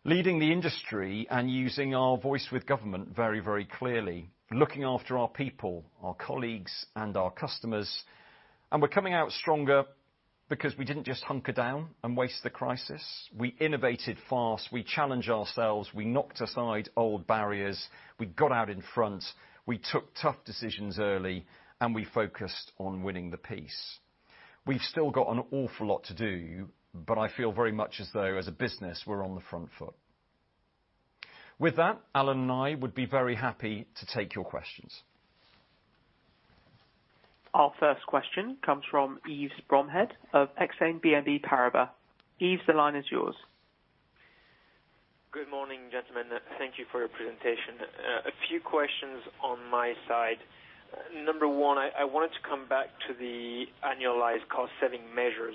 leading the industry, and using our voice with government very, very clearly, looking after our people, our colleagues, and our customers. We're coming out stronger because we didn't just hunker down and waste the crisis. We innovated fast. We challenged ourselves. We knocked aside old barriers. We got out in front. We took tough decisions early. We focused on winning the peace. We've still got an awful lot to do, but I feel very much as though, as a business, we're on the front foot. With that, Alan and I would be very happy to take your questions. Our first question comes from Yves Bromehead of Exane BNP Paribas. Yves, the line is yours. Good morning, gentlemen. Thank you for your presentation. A few questions on my side. Number one, I wanted to come back to the annualized cost-saving measures.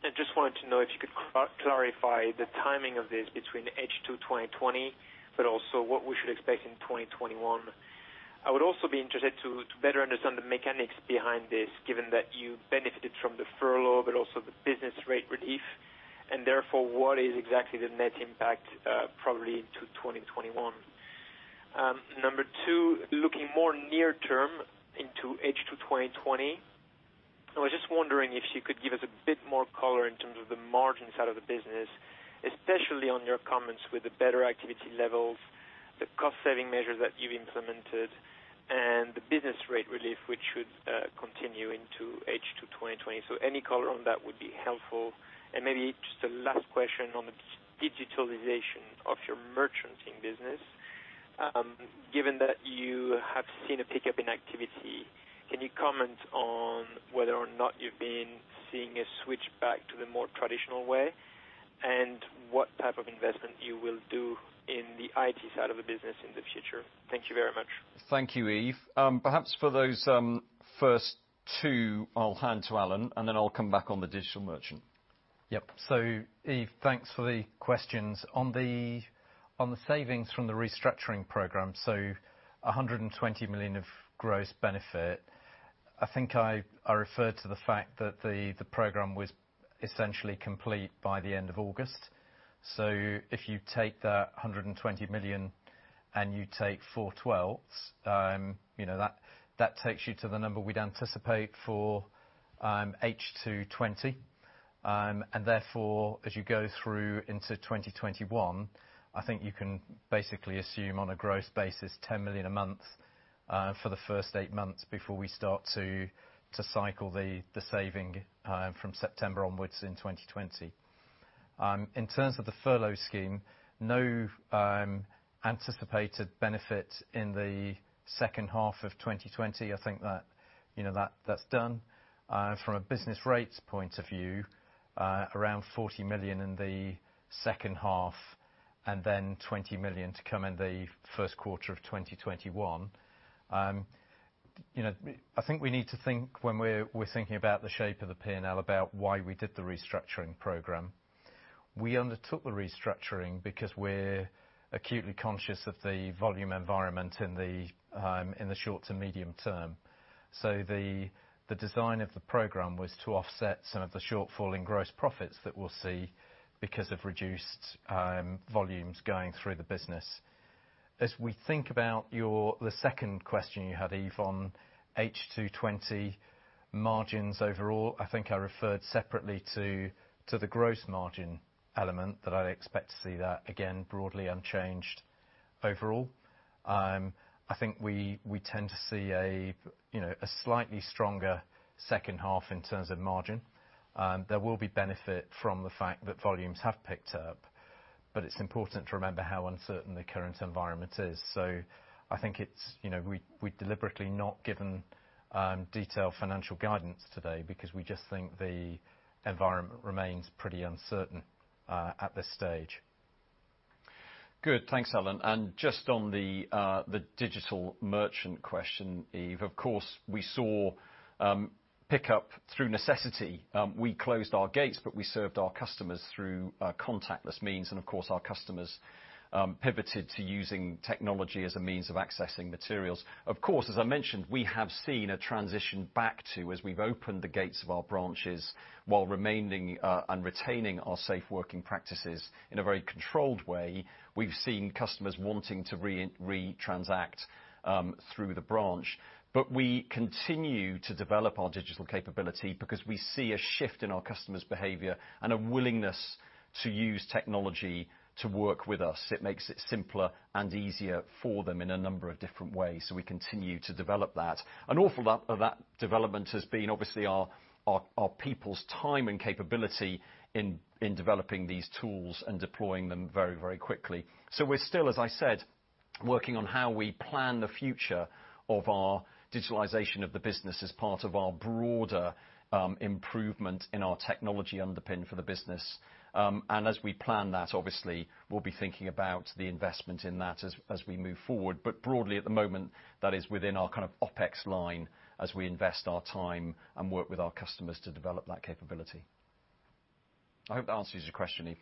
I just wanted to know if you could clarify the timing of this between H2 2020, but also what we should expect in 2021. I would also be interested to better understand the mechanics behind this, given that you benefited from the furlough but also the business rate relief, and therefore, what is exactly the net impact, probably into 2021. Number two, looking more near term into H2 2020, I was just wondering if you could give us a bit more color in terms of the margin side of the business, especially on your comments with the better activity levels, the cost-saving measures that you've implemented, and the business rate relief, which should continue into H2 2020. Any color on that would be helpful. Maybe just a last question on the digitalization of your merchanting business. Given that you have seen a pickup in activity, can you comment on whether or not you've been seeing a switch back to the more traditional way, and what type of investment you will do in the IT side of the business in the future? Thank you very much. Thank you, Yves. Perhaps for those first two, I'll hand to Alan, and then I'll come back on the digital merchant. Yep. Yves, thanks for the questions. On the savings from the restructuring program, 120 million of gross benefit. I think I referred to the fact that the program was essentially complete by the end of August. If you take that 120 million and you take four twelfths, that takes you to the number we'd anticipate for H2 2020. Therefore, as you go through into 2021, I think you can basically assume on a gross basis, 10 million a month for the first eight months before we start to cycle the saving from September onwards in 2020. In terms of the furlough scheme, no anticipated benefit in the second half of 2020. I think that's done. From a business rates point of view, around 40 million in the second half and then 20 million to come in the first quarter of 2021. I think we need to think when we're thinking about the shape of the P&L, about why we did the restructuring program. We undertook the restructuring because we're acutely conscious of the volume environment in the short to medium term. The design of the program was to offset some of the shortfall in gross profits that we'll see because of reduced volumes going through the business. As we think about the second question you had, Yves, on H2 2020 margins overall, I think I referred separately to the gross margin element that I'd expect to see that again, broadly unchanged overall. I think we tend to see a slightly stronger second half in terms of margin. There will be benefit from the fact that volumes have picked up. It's important to remember how uncertain the current environment is. I think we've deliberately not given detailed financial guidance today because we just think the environment remains pretty uncertain at this stage. Good. Thanks, Alan. Just on the digital merchant question, Yves, of course, we saw pickup through necessity. We closed our gates, but we served our customers through contactless means, and of course, our customers pivoted to using technology as a means of accessing materials. Of course, as I mentioned, we have seen a transition back to, as we've opened the gates of our branches while remaining and retaining our safe working practices in a very controlled way, we've seen customers wanting to re-transact through the branch. We continue to develop our digital capability because we see a shift in our customers' behavior and a willingness to use technology to work with us. It makes it simpler and easier for them in a number of different ways. We continue to develop that. An awful lot of that development has been obviously our people's time and capability in developing these tools and deploying them very, very quickly. We're still, as I said, working on how we plan the future of our digitalization of the business as part of our broader improvement in our technology underpin for the business. As we plan that, obviously, we'll be thinking about the investment in that as we move forward. Broadly at the moment, that is within our OpEx line as we invest our time and work with our customers to develop that capability. I hope that answers your question, Yves.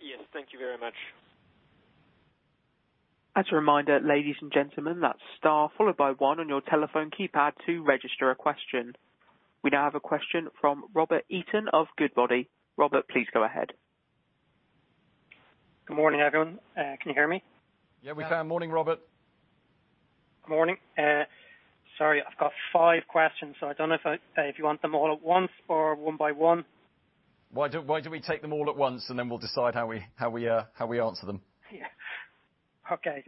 Yes. Thank you very much. As a reminder, ladies and gentlemen, that's star followed by one on your telephone keypad to register a question. We now have a question from Robert Eason of Goodbody. Robert, please go ahead. Good morning, everyone. Can you hear me? Yeah, we can. Morning, Robert. Morning. Sorry, I've got five questions. I don't know if you want them all at once or one by one. Why don't we take them all at once and then we'll decide how we answer them? Yeah. Okay.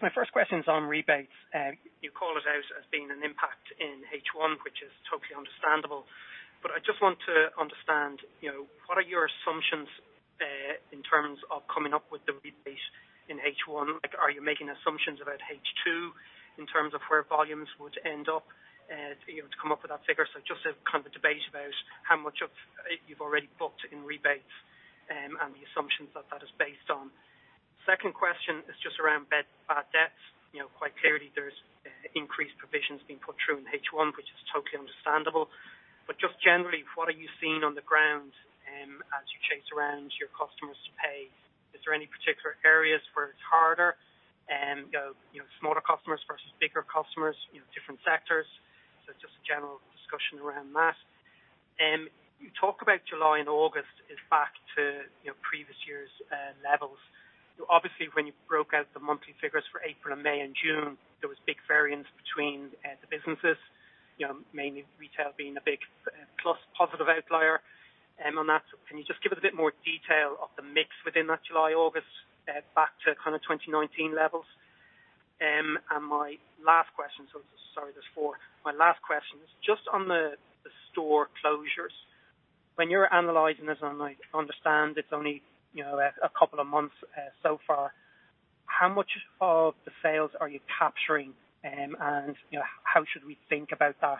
My first question's on rebates. You call it out as being an impact in H1, which is totally understandable. I just want to understand what your assumptions are in terms of coming up with the rebate in H1? Are you making assumptions about H2 in terms of where volumes would end up to be able to come up with that figure? A debate about how much of it you've already booked in rebates and the assumptions that that is based on. Second question is around bad debts. Quite clearly there's increased provisions being put through in H1, which is totally understandable. Generally, what are you seeing on the ground as you chase around your customers to pay? Is there any particular areas where it's harder? Smaller customers versus bigger customers, different sectors. A general discussion around that. You talk about July and August is back to previous years' levels. Obviously, when you broke out the monthly figures for April and May and June, there was big variance between the businesses, mainly retail being a big plus positive outlier on that. Can you just give us a bit more detail of the mix within that July, August back to 2019 levels? My last question, sorry, there's four. My last question is just on the store closures. When you're analyzing this, and I understand it's only a couple of months so far, how much of the sales are you capturing, and how should we think about that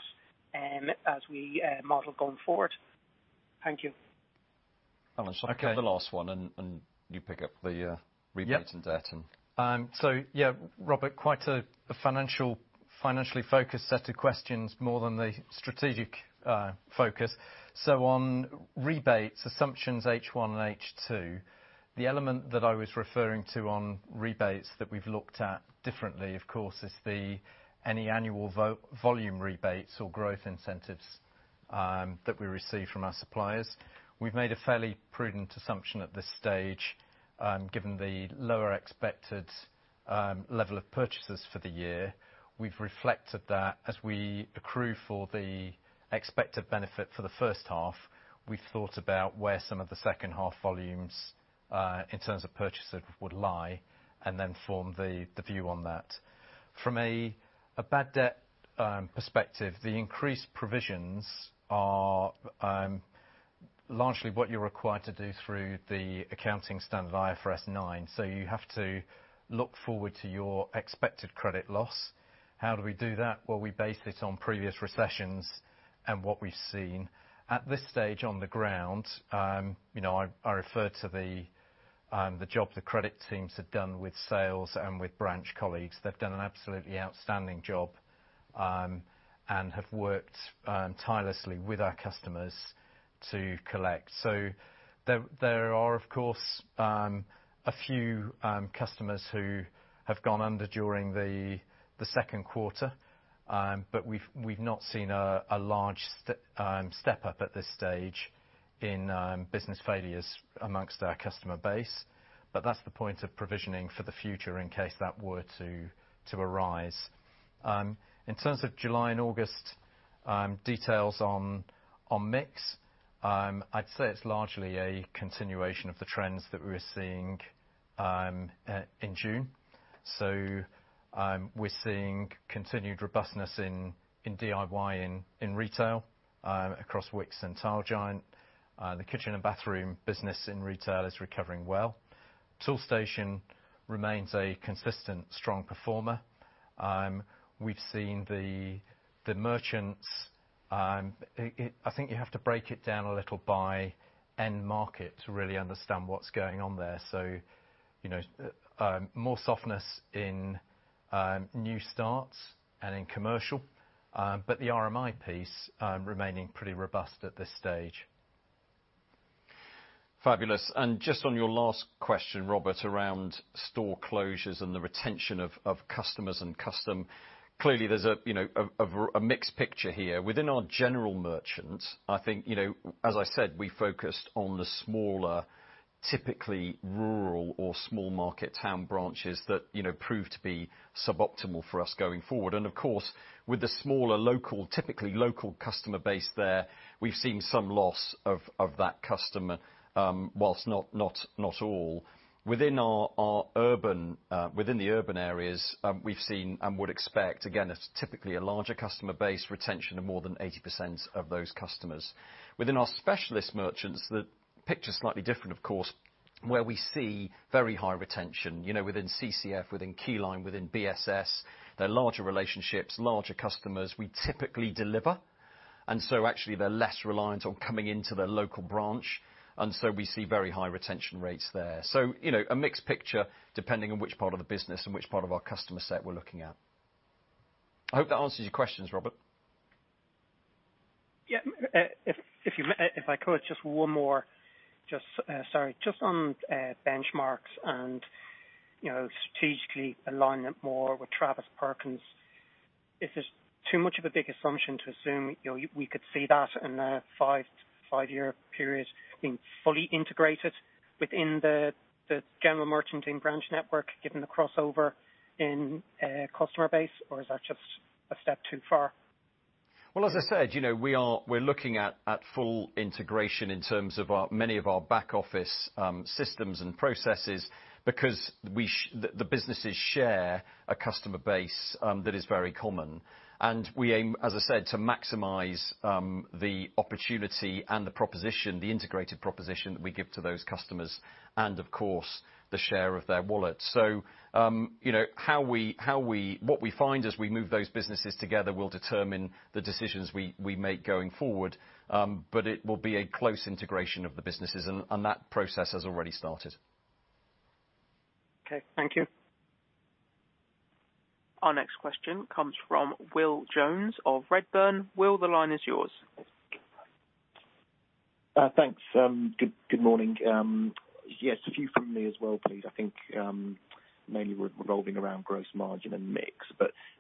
as we model going forward? Thank you. Alan, should I take the last one and you pick up the rebates and debt? Yeah, Robert, quite a financially focused set of questions more than the strategic focus. On rebates assumptions H1 and H2, the element that I was referring to on rebates that we've looked at differently, of course, is any annual volume rebates or growth incentives that we receive from our suppliers. We've made a fairly prudent assumption at this stage, given the lower expected level of purchases for the year. We've reflected that as we accrue for the expected benefit for the first half. We've thought about where some of the second half volumes, in terms of purchases, would lie and then form the view on that. From a bad debt perspective, the increased provisions are largely what you're required to do through the accounting standard IFRS 9. You have to look forward to your expected credit loss. How do we do that? Well, we base it on previous recessions and what we've seen. At this stage on the ground, I refer to the job the credit teams have done with sales and with branch colleagues. They've done an absolutely outstanding job and have worked tirelessly with our customers to collect. There are, of course, a few customers who have gone under during the second quarter, but we've not seen a large step up at this stage in business failures amongst our customer base. That's the point of provisioning for the future in case that were to arise. In terms of July and August, details on mix, I'd say it's largely a continuation of the trends that we were seeing in June. We're seeing continued robustness in DIY in retail across Wickes and Tile Giant. The kitchen and bathroom business in retail is recovering well. Toolstation remains a consistent strong performer. We've seen the merchants, I think you have to break it down a little by end market to really understand what's going on there. More softness in new starts and in commercial, the RMI piece remaining pretty robust at this stage. Fabulous. Just on your last question, Robert, around store closures and the retention of customers and custom. Clearly, there's a mixed picture here. Within our general merchants, I think, as I said, we focused on the smaller, typically rural or small market town branches that proved to be suboptimal for us going forward. Of course, with the smaller, typically local customer base there, we've seen some loss of that customer, whilst not all. Within the urban areas, we've seen and would expect, again, it's typically a larger customer base retention of more than 80% of those customers. Within our specialist merchants, the picture's slightly different, of course, where we see very high retention within CCF, within Keyline, within BSS. They're larger relationships, larger customers we typically deliver, and so actually they're less reliant on coming into their local branch, and so we see very high retention rates there. A mixed picture depending on which part of the business and which part of our customer set we're looking at. I hope that answers your questions, Robert. Yeah. If I could, just one more. Sorry. Just on Benchmarx and strategically aligning it more with Travis Perkins. Is this too much of a big assumption to assume we could see that in a five-year period being fully integrated within the general merchant and branch network, given the crossover in customer base? Is that just a step too far? Well, as I said, we're looking at full integration in terms of many of our back office systems and processes because the businesses share a customer base that is very common. We aim, as I said, to maximize the opportunity and the proposition, the integrated proposition that we give to those customers and, of course, the share of their wallet. What we find as we move those businesses together will determine the decisions we make going forward. It will be a close integration of the businesses, and that process has already started. Okay. Thank you. Our next question comes from Will Jones of Redburn. Will, the line is yours. Thanks. Good morning. Yes, a few from me as well, please. I think mainly revolving around gross margin and mix.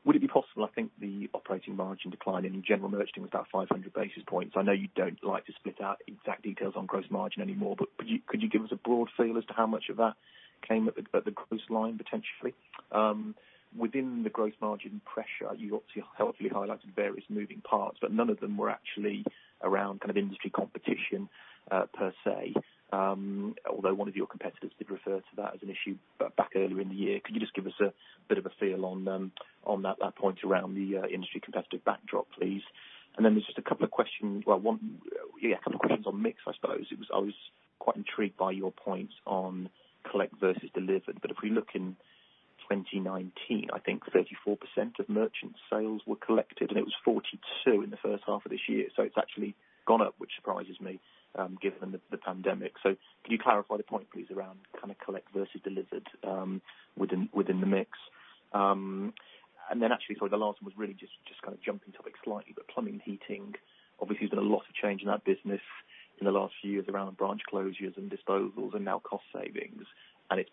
Would it be possible, I think the operating margin decline in general merchanting was about 500 basis points. I know you don't like to split out exact details on gross margin anymore. Could you give us a broad feel as to how much of that came at the core line, potentially? Within the gross margin pressure, you helpfully highlighted various moving parts. None of them were actually around industry competition per se, although one of your competitors did refer to that as an issue back earlier in the year. Could you just give us a bit of a feel on that point around the industry competitive backdrop, please? There's just a couple of questions on mix, I suppose. I was quite intrigued by your points on collect versus deliver. If we look in 2019, I think 34% of merchant sales were collected, and it was 42% in H1 2020. It's actually gone up, which surprises me given the pandemic. Can you clarify the point, please, around collect versus delivered within the mix? Then actually, sorry, the last one was really just jumping topic slightly, but Plumbing & Heating, obviously there's been a lot of change in that business in the last few years around branch closures and disposals and now cost savings, and it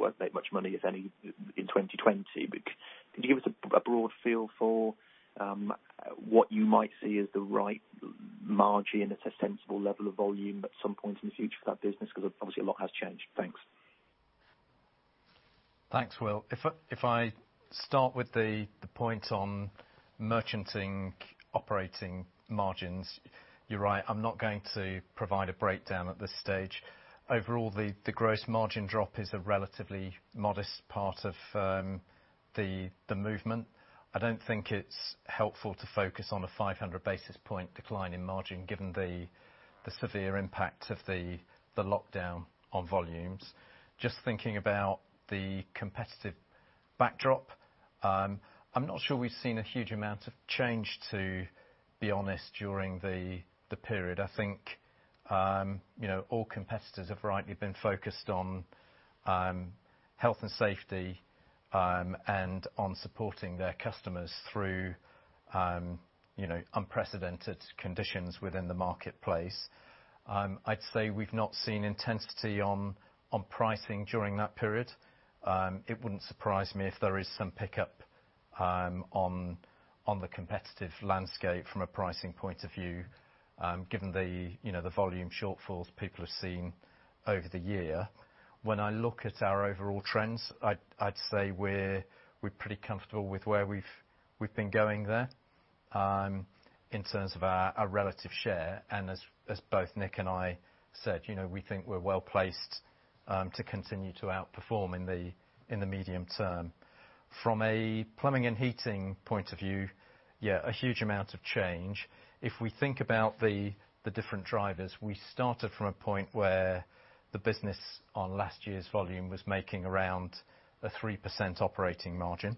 won't make much money, if any, in 2020. Could you give us a broad feel for what you might see as the right margin at a sensible level of volume at some point in the future for that business? Obviously a lot has changed. Thanks. Thanks, Will. If I start with the point on merchanting operating margins, you're right. Overall, the gross margin drop is a relatively modest part of the movement. I don't think it's helpful to focus on a 500 basis point decline in margin, given the severe impact of the lockdown on volumes. Just thinking about the competitive backdrop, I'm not sure we've seen a huge amount of change, to be honest, during the period. I think all competitors have rightly been focused on health and safety, and on supporting their customers through unprecedented conditions within the marketplace. I'd say we've not seen intensity on pricing during that period. It wouldn't surprise me if there is some pickup on the competitive landscape from a pricing point of view, given the volume shortfalls people have seen over the year. When I look at our overall trends, I'd say we're pretty comfortable with where we've been going there in terms of our relative share. As both Nick and I said, we think we're well-placed to continue to outperform in the medium term. From a plumbing and heating point of view, yeah, a huge amount of change. If we think about the different drivers, we started from a point where the business on last year's volume was making around a 3% operating margin.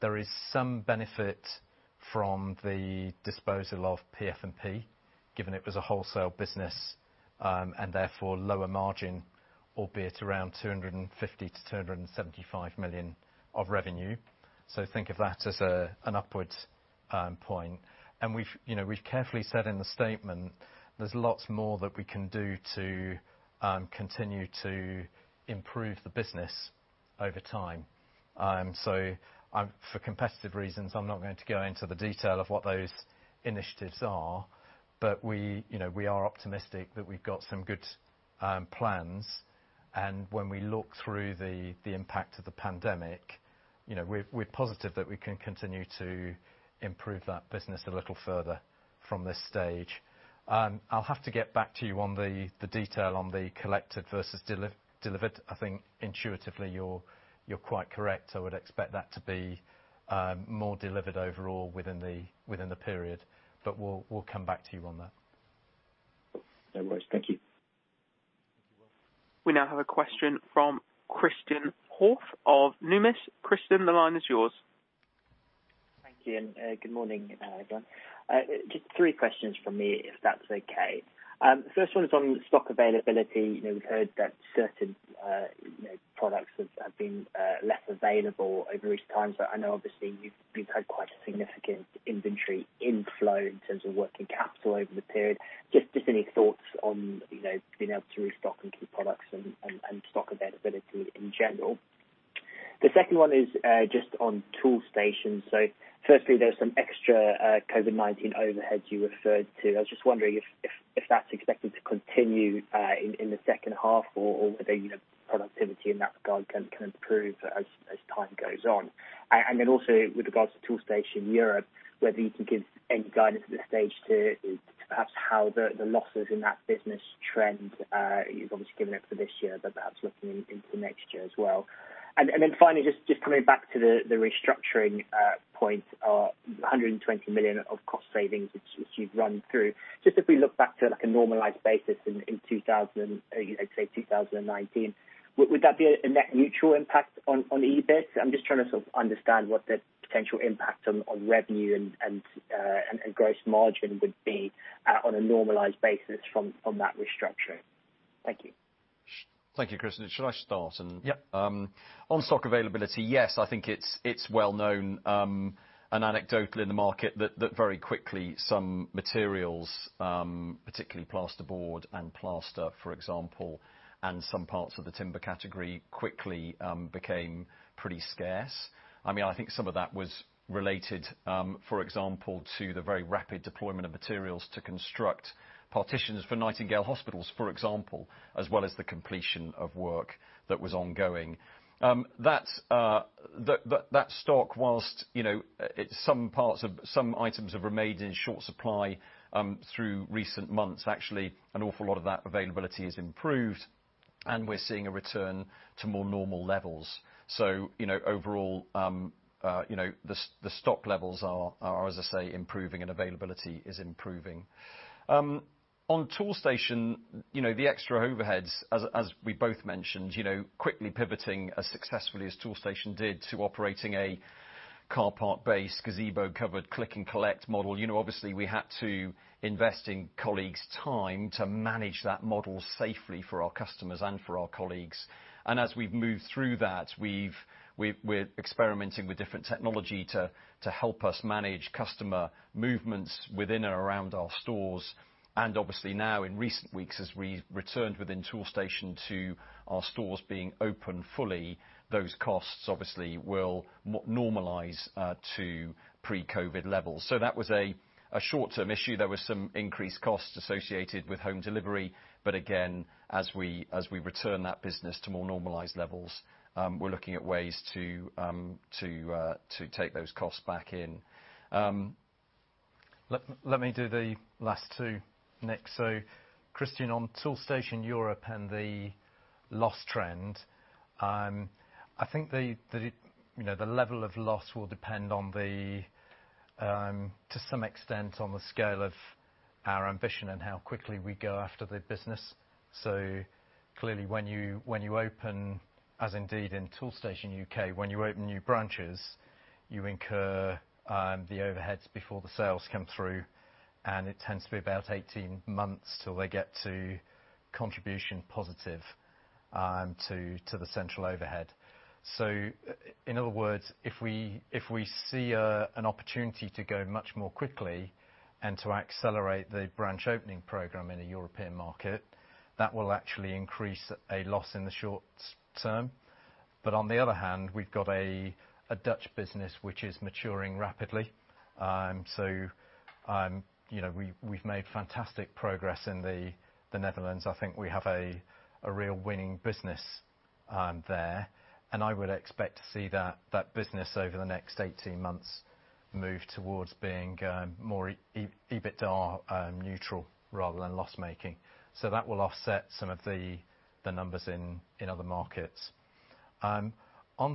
There is some benefit from the disposal of PF&P, given it was a wholesale business, and therefore lower margin, albeit around 250 million-275 million of revenue. Think of that as an upwards point. We've carefully said in the statement there's lots more that we can do to continue to improve the business over time. For competitive reasons, I'm not going to go into the detail of what those initiatives are, but we are optimistic that we've got some good plans. When we look through the impact of the pandemic, we're positive that we can continue to improve that business a little further from this stage. I'll have to get back to you on the detail on the collected versus delivered. I think intuitively, you're quite correct. I would expect that to be more delivered overall within the period, but we'll come back to you on that. No worries. Thank you. Thank you, Will. We now have a question from Christian Hjorth of Numis. Christian, the line is yours. Thank you, good morning, everyone. Just three questions from me, if that's okay. First one is on stock availability. We've heard that certain products have been less available over recent times, but I know obviously you've had quite a significant inventory inflow in terms of working capital over the period. Just any thoughts on being able to restock and keep products and stock availability in general. The second one is just on Toolstation. Firstly, there was some extra COVID-19 overheads you referred to. I was just wondering if that's expected to continue in the second half, or whether productivity in that regard can improve as time goes on. Also with regards to Toolstation Europe, whether you can give any guidance at this stage to perhaps how the losses in that business trend, you've obviously given it for this year, but perhaps looking into next year as well. Finally, just coming back to the restructuring point, 120 million of cost savings, which you've run through. Just if we look back to a normalized basis in, say, 2019, would that be a net mutual impact on EBIT? I'm just trying to understand what the potential impact on revenue and gross margin would be on a normalized basis from that restructuring. Thank you. Thank you, Christian. Should I start? Yeah. On stock availability, yes, I think it's well known anecdotally in the market that very quickly some materials, particularly plasterboard and plaster, for example, and some parts of the timber category, quickly became pretty scarce. I think some of that was related, for example, to the very rapid deployment of materials to construct partitions for Nightingale Hospitals, for example, as well as the completion of work that was ongoing. That stock, whilst some items have remained in short supply through recent months, actually an awful lot of that availability has improved and we're seeing a return to more normal levels. Overall, the stock levels are, as I say, improving and availability is improving. On Toolstation, the extra overheads, as we both mentioned, quickly pivoting as successfully as Toolstation did to operating a car park base, gazebo covered click and collect model. Obviously we had to invest in colleagues' time to manage that model safely for our customers and for our colleagues. As we've moved through that, we're experimenting with different technology to help us manage customer movements within and around our stores. Obviously now in recent weeks, as we returned within Toolstation to our stores being open fully, those costs obviously will normalize to pre-COVID levels. That was a short-term issue. There were some increased costs associated with home delivery, but again, as we return that business to more normalized levels, we're looking at ways to take those costs back in. Let me do the last two, Nick. Christian, on Toolstation Europe and the loss trend, I think the level of loss will depend, to some extent, on the scale of our ambition and how quickly we go after the business. Clearly, as indeed in Toolstation UK, when you open new branches, you incur the overheads before the sales come through, and it tends to be about 18 months till they get to contribution positive to the central overhead. In other words, if we see an opportunity to go much more quickly and to accelerate the branch opening program in a European market, that will actually increase a loss in the short term. On the other hand, we've got a Dutch business which is maturing rapidly. We've made fantastic progress in the Netherlands. I think we have a real winning business there, and I would expect to see that business, over the next 18 months, move towards being more EBITDA neutral rather than loss-making. That will offset some of the numbers in other markets. On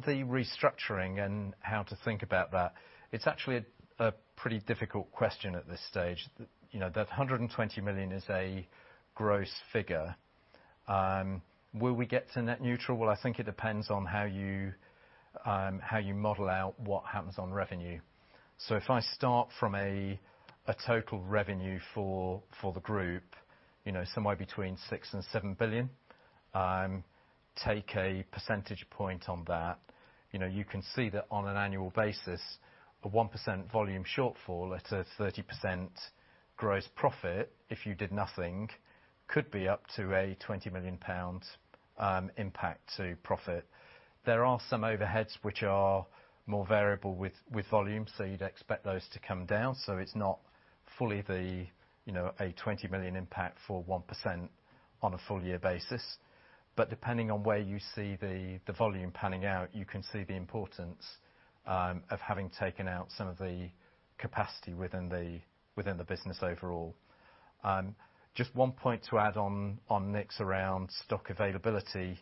the restructuring and how to think about that, it's actually a pretty difficult question at this stage. That 120 million is a gross figure. Will we get to net neutral? Well, I think it depends on how you model out what happens on revenue. If I start from a total revenue for the group, somewhere between six and seven billion GBP, take a percentage point on that. You can see that on an annual basis, a 1% volume shortfall at a 30% gross profit if you did nothing, could be up to a 20 million pound impact to profit. There are some overheads which are more variable with volume, so you'd expect those to come down. It's not fully a 20 million impact for 1% on a full year basis. Depending on where you see the volume panning out, you can see the importance of having taken out some of the capacity within the business overall. Just one point to add on Nick's around stock availability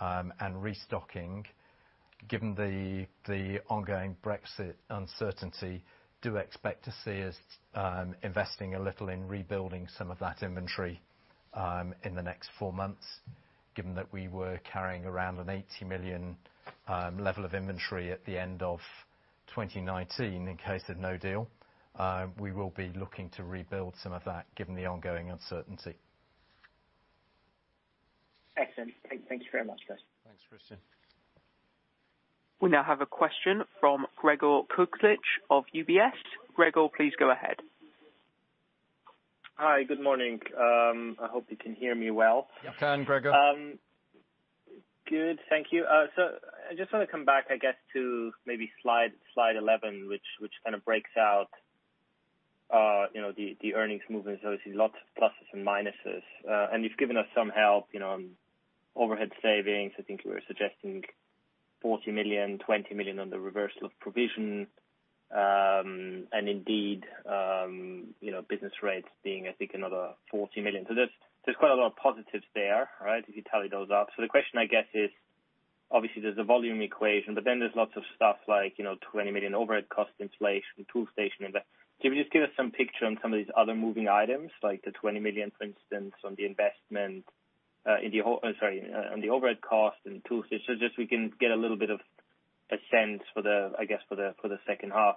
and restocking. Given the ongoing Brexit uncertainty, do expect to see us investing a little in rebuilding some of that inventory in the next four months, given that we were carrying around a 80 million level of inventory at the end of 2019 in case of no deal. We will be looking to rebuild some of that given the ongoing uncertainty. Excellent. Thank you very much, guys. Thanks, Christian. We now have a question from Gregor Kuglitsch of UBS. Gregor, please go ahead. Hi. Good morning. I hope you can hear me well. You can, Gregor. Good. Thank you. I just want to come back, I guess, to maybe slide 11, which kind of breaks out the earnings movement. Obviously lots of pluses and minuses. You've given us some help, on overhead savings, I think you were suggesting 40 million, 20 million on the reversal of provision. Indeed business rates being, I think, another 40 million. There's quite a lot of positives there, right, if you tally those up. The question, I guess, is, obviously there's the volume equation, but then there's lots of stuff like 20 million overhead cost inflation, Toolstation and that. Can you just give us some picture on some of these other moving items, like the 20 million, for instance, on the overhead cost and tools, so just we can get a little bit of a sense, I guess, for the second half.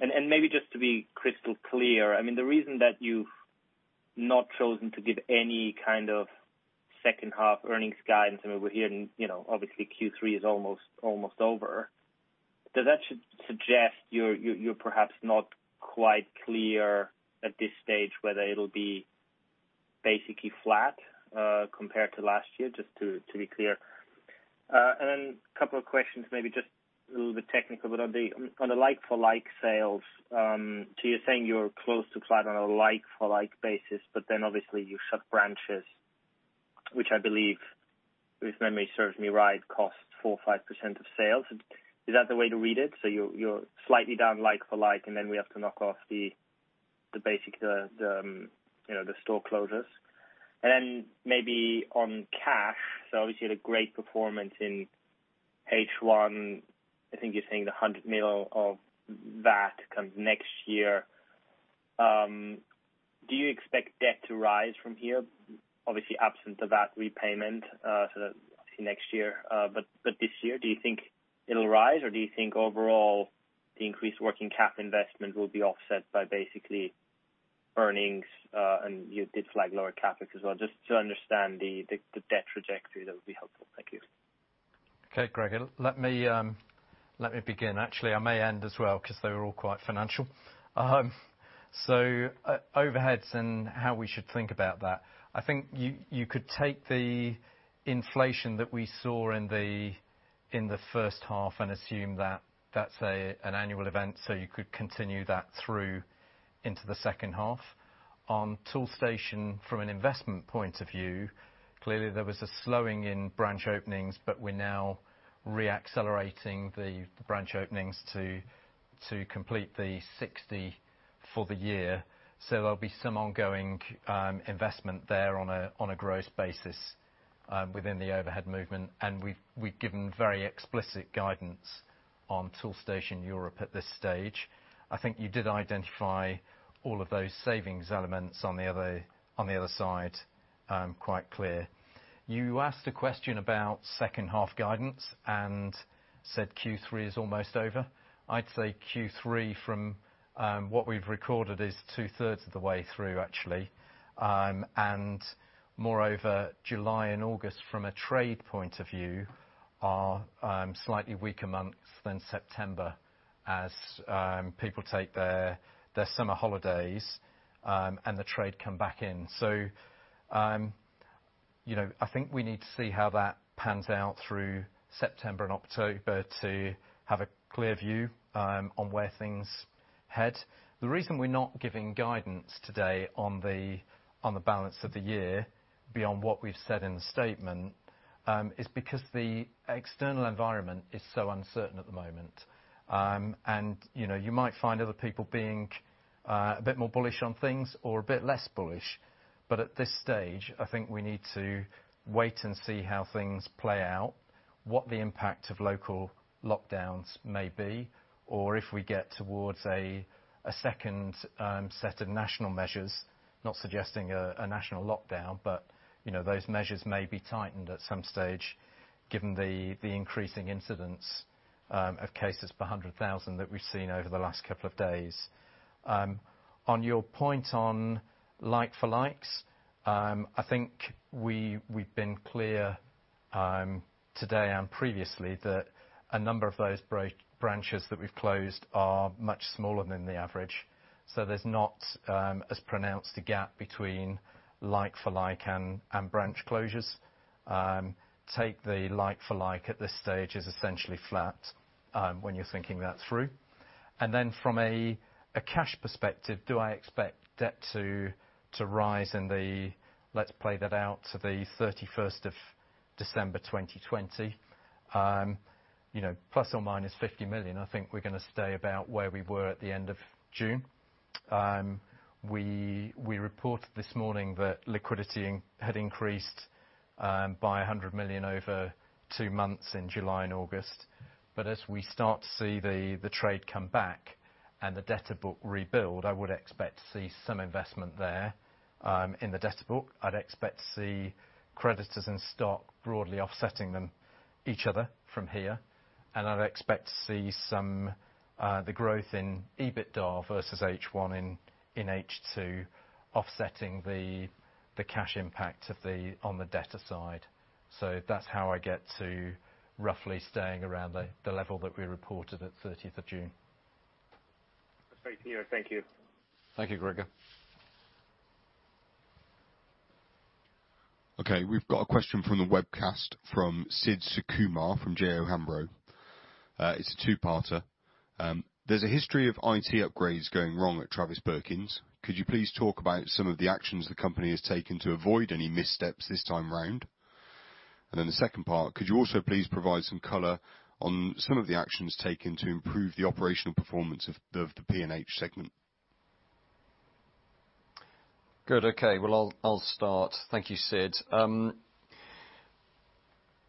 Maybe just to be crystal clear, I mean, the reason that you've not chosen to give any kind of second half earnings guidance, I mean, we're hearing, obviously Q3 is almost over. Does that suggest you're perhaps not quite clear at this stage whether it'll be basically flat compared to last year? Just to be clear. Then a couple of questions, maybe just a little bit technical, but on the like-for-like sales, so you're saying you're close to flat on a like-for-like basis, but then obviously you shut branches, which I believe, if memory serves me right, cost 4% or 5% of sales. Is that the way to read it? You're slightly down like for like, and then we have to knock off the store closures. Then maybe on cash, so obviously you had a great performance in H1. I think you're saying the 100 million of that comes next year. Do you expect debt to rise from here? Obviously absent of that repayment, so that next year. This year, do you think it'll rise, or do you think overall the increased working cap investment will be offset by basically earnings and you did flag lower CapEx as well, just to understand the debt trajectory, that would be helpful. Thank you. Okay, Gregor. Let me begin. Actually, I may end as well because they were all quite financial. Overheads and how we should think about that. I think you could take the inflation that we saw in the first half and assume that that's an annual event, so you could continue that through into the second half. On Toolstation from an investment point of view, clearly there was a slowing in branch openings, but we're now re-accelerating the branch openings to complete the 60 for the year. There'll be some ongoing investment there on a gross basis within the overhead movement, and we've given very explicit guidance on Toolstation Europe at this stage. I think you did identify all of those savings elements on the other side quite clear. You asked a question about second half guidance and said Q3 is almost over. I'd say Q3 from what we've recorded is two-thirds of the way through, actually. Moreover, July and August from a trade point of view are slightly weaker months than September as people take their summer holidays, and the trade come back in. I think we need to see how that pans out through September and October to have a clear view on where things head. The reason we're not giving guidance today on the balance of the year beyond what we've said in the statement, is because the external environment is so uncertain at the moment. You might find other people being a bit more bullish on things or a bit less bullish. At this stage, I think we need to wait and see how things play out, what the impact of local lockdowns may be, or if we get towards a second set of national measures, not suggesting a national lockdown, but those measures may be tightened at some stage given the increasing incidents of cases per 100,000 that we've seen over the last couple of days. On your point on like for likes, I think we've been clear today and previously that a number of those branches that we've closed are much smaller than the average. There's not as pronounced a gap between like for like and branch closures. Take the like for like at this stage is essentially flat when you're thinking that through. From a cash perspective, do I expect debt to rise in the, let's play that out to the 31st of December 2020, ±50 million, I think we're going to stay about where we were at the end of June. We reported this morning that liquidity had increased by 100 million over two months in July and August. As we start to see the trade come back and the debtor book rebuild, I would expect to see some investment there in the debtor book. I'd expect to see creditors and stock broadly offsetting each other from here. I'd expect to see the growth in EBITDA versus H1 in H2 offsetting the cash impact on the debtor side. That's how I get to roughly staying around the level that we reported at 30th of June. Great to hear. Thank you. Thank you, Gregor. Okay, we've got a question from the webcast from Sid Sukumar from J O Hambro. It's a two-parter. There's a history of IT upgrades going wrong at Travis Perkins. Could you please talk about some of the actions the company has taken to avoid any missteps this time around? The second part, could you also please provide some color on some of the actions taken to improve the operational performance of the P&H segment? Good. Okay. Well, I'll start. Thank you, Sid.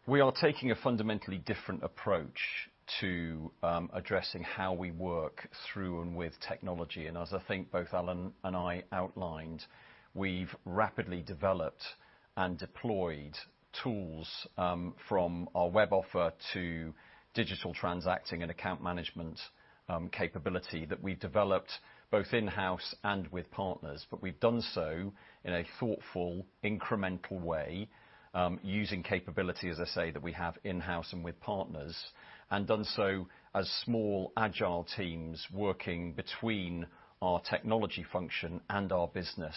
We are taking a fundamentally different approach to addressing how we work through and with technology. As I think both Alan and I outlined, we've rapidly developed and deployed tools from our web offer to digital transacting and account management capability that we've developed both in-house and with partners. We've done so in a thoughtful, incremental way using capability, as I say, that we have in-house and with partners, and done so as small, agile teams working between our technology function and our business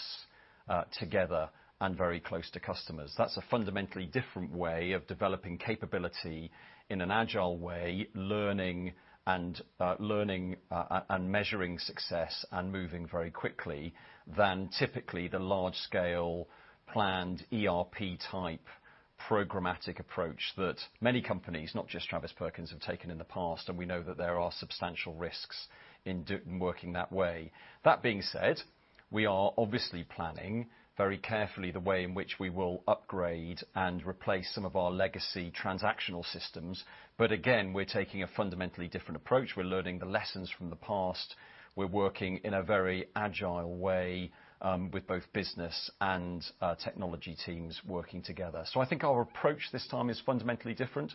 together and very close to customers. That's a fundamentally different way of developing capability in an agile way, learning and measuring success and moving very quickly than typically the large scale planned ERP type programmatic approach that many companies, not just Travis Perkins, have taken in the past. We know that there are substantial risks in working that way. That being said, we are obviously planning very carefully the way in which we will upgrade and replace some of our legacy transactional systems. Again, we're taking a fundamentally different approach. We're learning the lessons from the past. We're working in a very agile way with both business and technology teams working together. I think our approach this time is fundamentally different.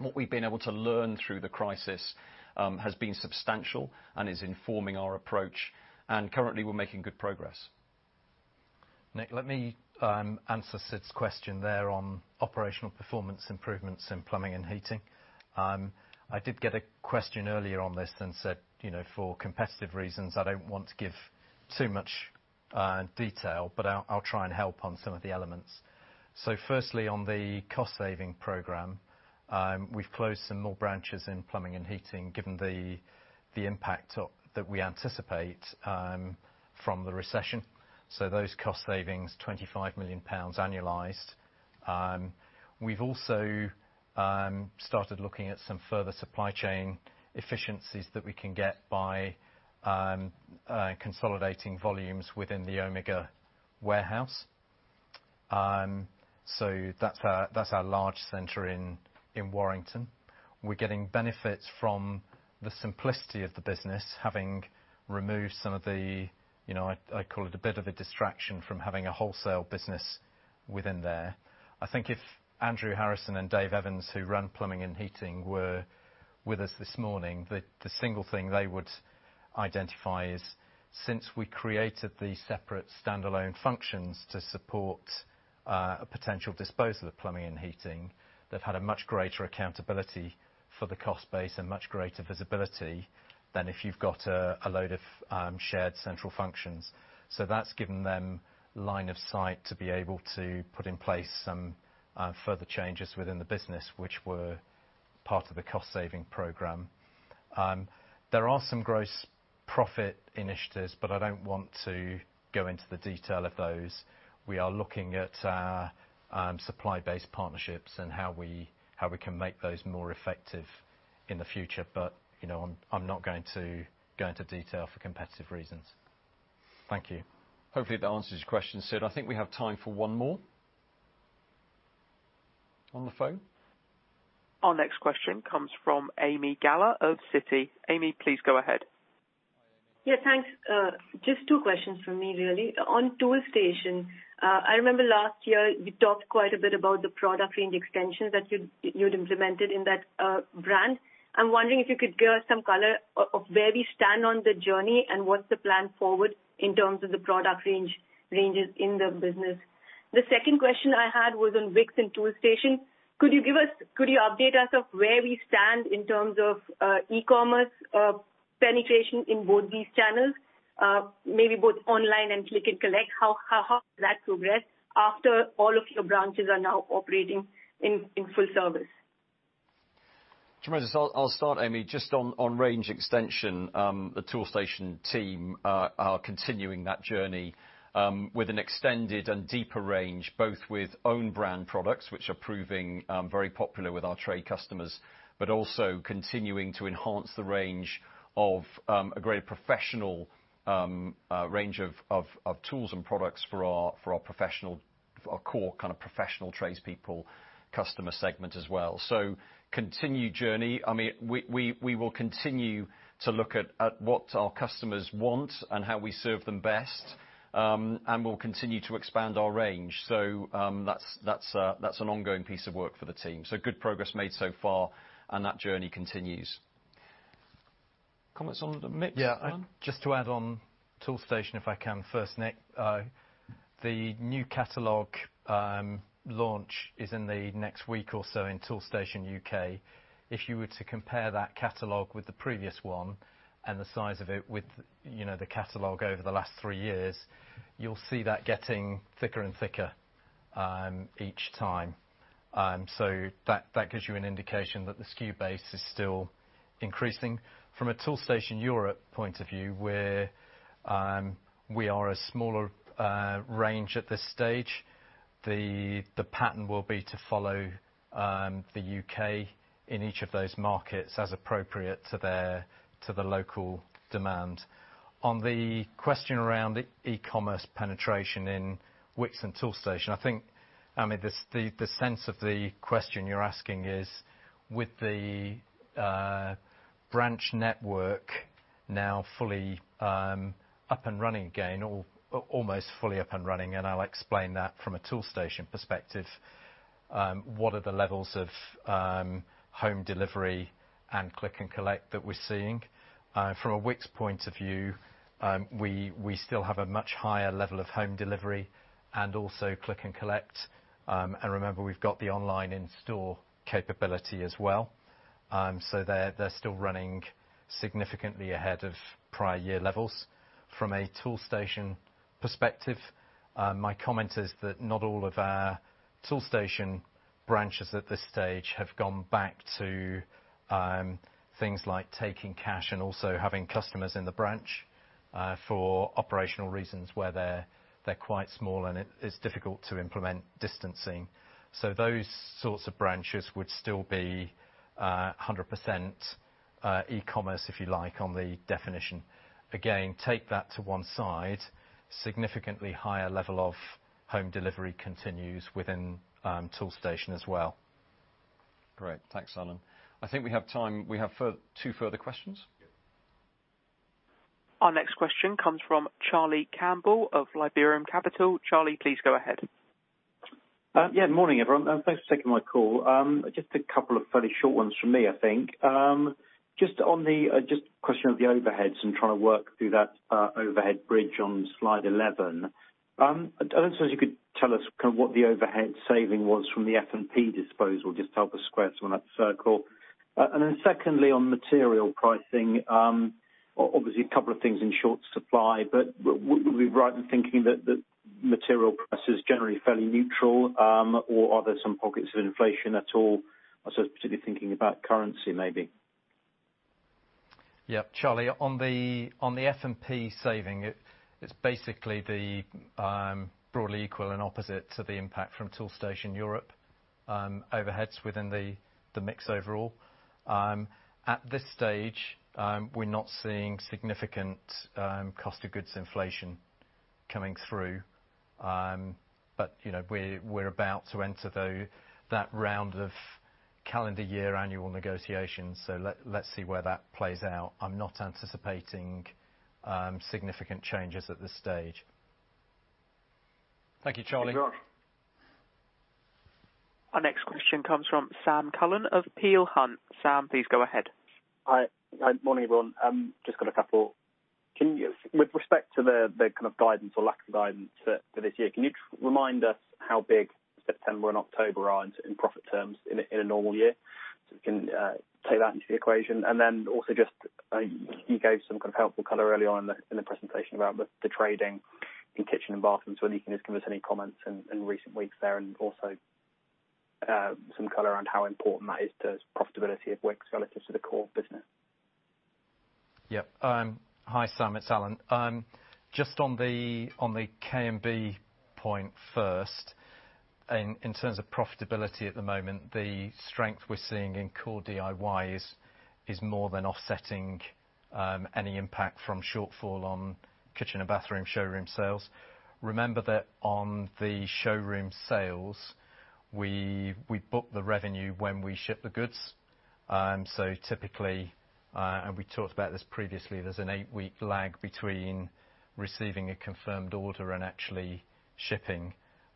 What we've been able to learn through the crisis has been substantial and is informing our approach. Currently we're making good progress. Nick, let me answer Sid's question there on operational performance improvements in plumbing and heating. I did get a question earlier on this and said for competitive reasons I don't want to give too much detail, but I'll try and help on some of the elements. Firstly, on the cost saving program, we've closed some more branches in plumbing and heating given the impact that we anticipate from the recession. Those cost savings, 25 million pounds annualized. We've also started looking at some further supply chain efficiencies that we can get by consolidating volumes within the Omega warehouse. That's our large center in Warrington. We're getting benefits from the simplicity of the business, having removed some of the, I call it a bit of a distraction from having a wholesale business within there. I think if Andrew Harrison and Dave Evans, who run plumbing and heating, were with us this morning, the single thing they would identify is since we created the separate standalone functions to support a potential disposal of plumbing and heating, they've had a much greater accountability for the cost base and much greater visibility than if you've got a load of shared central functions. That's given them line of sight to be able to put in place some further changes within the business, which were part of the cost saving program. There are some gross profit initiatives, but I don't want to go into the detail of those. We are looking at supply base partnerships and how we can make those more effective in the future. I'm not going to go into detail for competitive reasons. Thank you. Hopefully that answers your question, Sid. I think we have time for one more. On the phone? Our next question comes from Ami Galla of Citi. Ami, please go ahead. Yeah, thanks. Just two questions from me, really. On Toolstation. I remember last year you talked quite a bit about the product range extensions that you'd implemented in that brand. I'm wondering if you could give us some color of where we stand on the journey and what's the plan forward in terms of the product ranges in the business. The second question I had was on Wickes and Toolstation. Could you update us of where we stand in terms of e-commerce penetration in both these channels? Maybe both online and click and collect, how has that progressed after all of your branches are now operating in full service? James, I'll start Ami, just on range extension. The Toolstation team are continuing that journey, with an extended and deeper range, both with own brand products, which are proving very popular with our trade customers, but also continuing to enhance the range of a great professional range of tools and products for our core professional tradespeople customer segment as well. Continued journey, Ami, we will continue to look at what our customers want and how we serve them best. We'll continue to expand our range. That's an ongoing piece of work for the team. Good progress made so far and that journey continues. Comments on the mix, Alan? Yeah, just to add on Toolstation, if I can first, Nick. The new catalog launch is in the next week or so in Toolstation UK. If you were to compare that catalog with the previous one and the size of it with the catalog over the last three years, you will see that getting thicker and thicker each time. That gives you an indication that the SKU base is still increasing. From a Toolstation Europe point of view, we are a smaller range at this stage. The pattern will be to follow the U.K. in each of those markets as appropriate to the local demand. On the question around the e-commerce penetration in Wickes and Toolstation, I think, Ami, the sense of the question you're asking is with the branch network now fully up and running again, or almost fully up and running, and I'll explain that from a Toolstation perspective, what are the levels of home delivery and click and collect that we're seeing? From a Wickes point of view, we still have a much higher level of home delivery and also click and collect. Remember, we've got the online in-store capability as well. They're still running significantly ahead of prior year levels. From a Toolstation perspective, my comment is that not all of our Toolstation branches at this stage have gone back to things like taking cash and also having customers in the branch, for operational reasons where they're quite small and it is difficult to implement distancing. Those sorts of branches would still be 100% e-commerce, if you like, on the definition. Again, take that to one side. Significantly higher level of home delivery continues within Toolstation as well. Great. Thanks, Alan. I think we have time. We have two further questions. Our next question comes from Charlie Campbell of Liberum Capital. Charlie, please go ahead. Good morning, everyone, and thanks for taking my call. Just a couple of fairly short ones from me, I think. Just a question of the overheads and trying to work through that overhead bridge on slide 11. I don't know if you could tell us kind of what the overhead saving was from the F&P disposal, just to help us square that circle. Secondly, on material pricing, obviously a couple of things in short supply, but would we right in thinking that material prices are generally fairly neutral? Are there some pockets of inflation at all? I was particularly thinking about currency maybe. Yeah. Charlie, on the F&P saving, it's basically the broadly equal and opposite to the impact from Toolstation Europe, overheads within the mix overall. At this stage, we're not seeing significant cost of goods inflation coming through. We're about to enter that round of calendar year annual negotiations, so let's see where that plays out. I'm not anticipating significant changes at this stage. Thank you, Charlie. You're welcome. Our next question comes from Sam Cullen of Peel Hunt. Sam, please go ahead. Hi. Morning, everyone. Just got a couple. With respect to the kind of guidance or lack of guidance for this year, can you remind us how big September and October are in profit terms in a normal year? We can take that into the equation. Also just, you gave some kind of helpful color earlier on in the presentation about the trading in kitchens and bathrooms. Wondering if you can just give us any comments in recent weeks there, and also some color around how important that is to profitability of Wickes relative to the core business. Yeah. Hi, Sam. It's Alan. Just on the K&B point first, in terms of profitability at the moment, the strength we're seeing in core DIY is more than offsetting any impact from shortfall on kitchen and bathroom showroom sales. Remember that on the showroom sales, we book the revenue when we ship the goods. Typically, and we talked about this previously, there's an eight-week lag between receiving a confirmed order and actually shipping,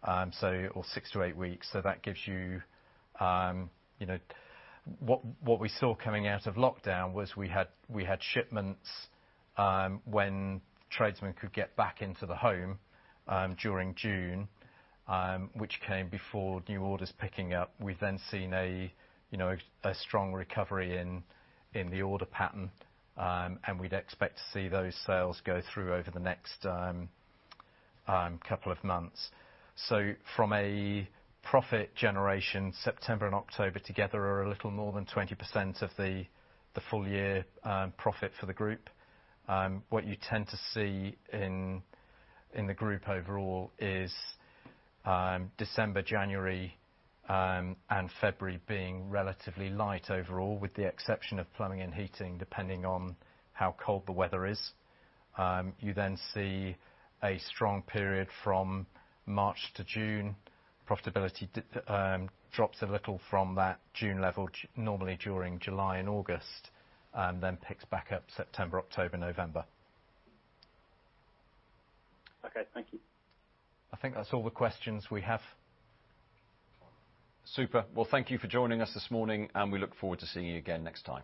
or six to eight weeks. What we saw coming out of lockdown was we had shipments when tradesmen could get back into the home during June, which came before new orders picking up. We've seen a strong recovery in the order pattern. We'd expect to see those sales go through over the next couple of months. From a profit generation, September and October together are a little more than 20% of the full year profit for the group. What you tend to see in the group overall is December, January, and February being relatively light overall, with the exception of plumbing and heating, depending on how cold the weather is. You see a strong period from March to June. Profitability drops a little from that June level, normally during July and August, then picks back up September, October, November. Okay, thank you. I think that's all the questions we have. Super. Well, thank you for joining us this morning. We look forward to seeing you again next time.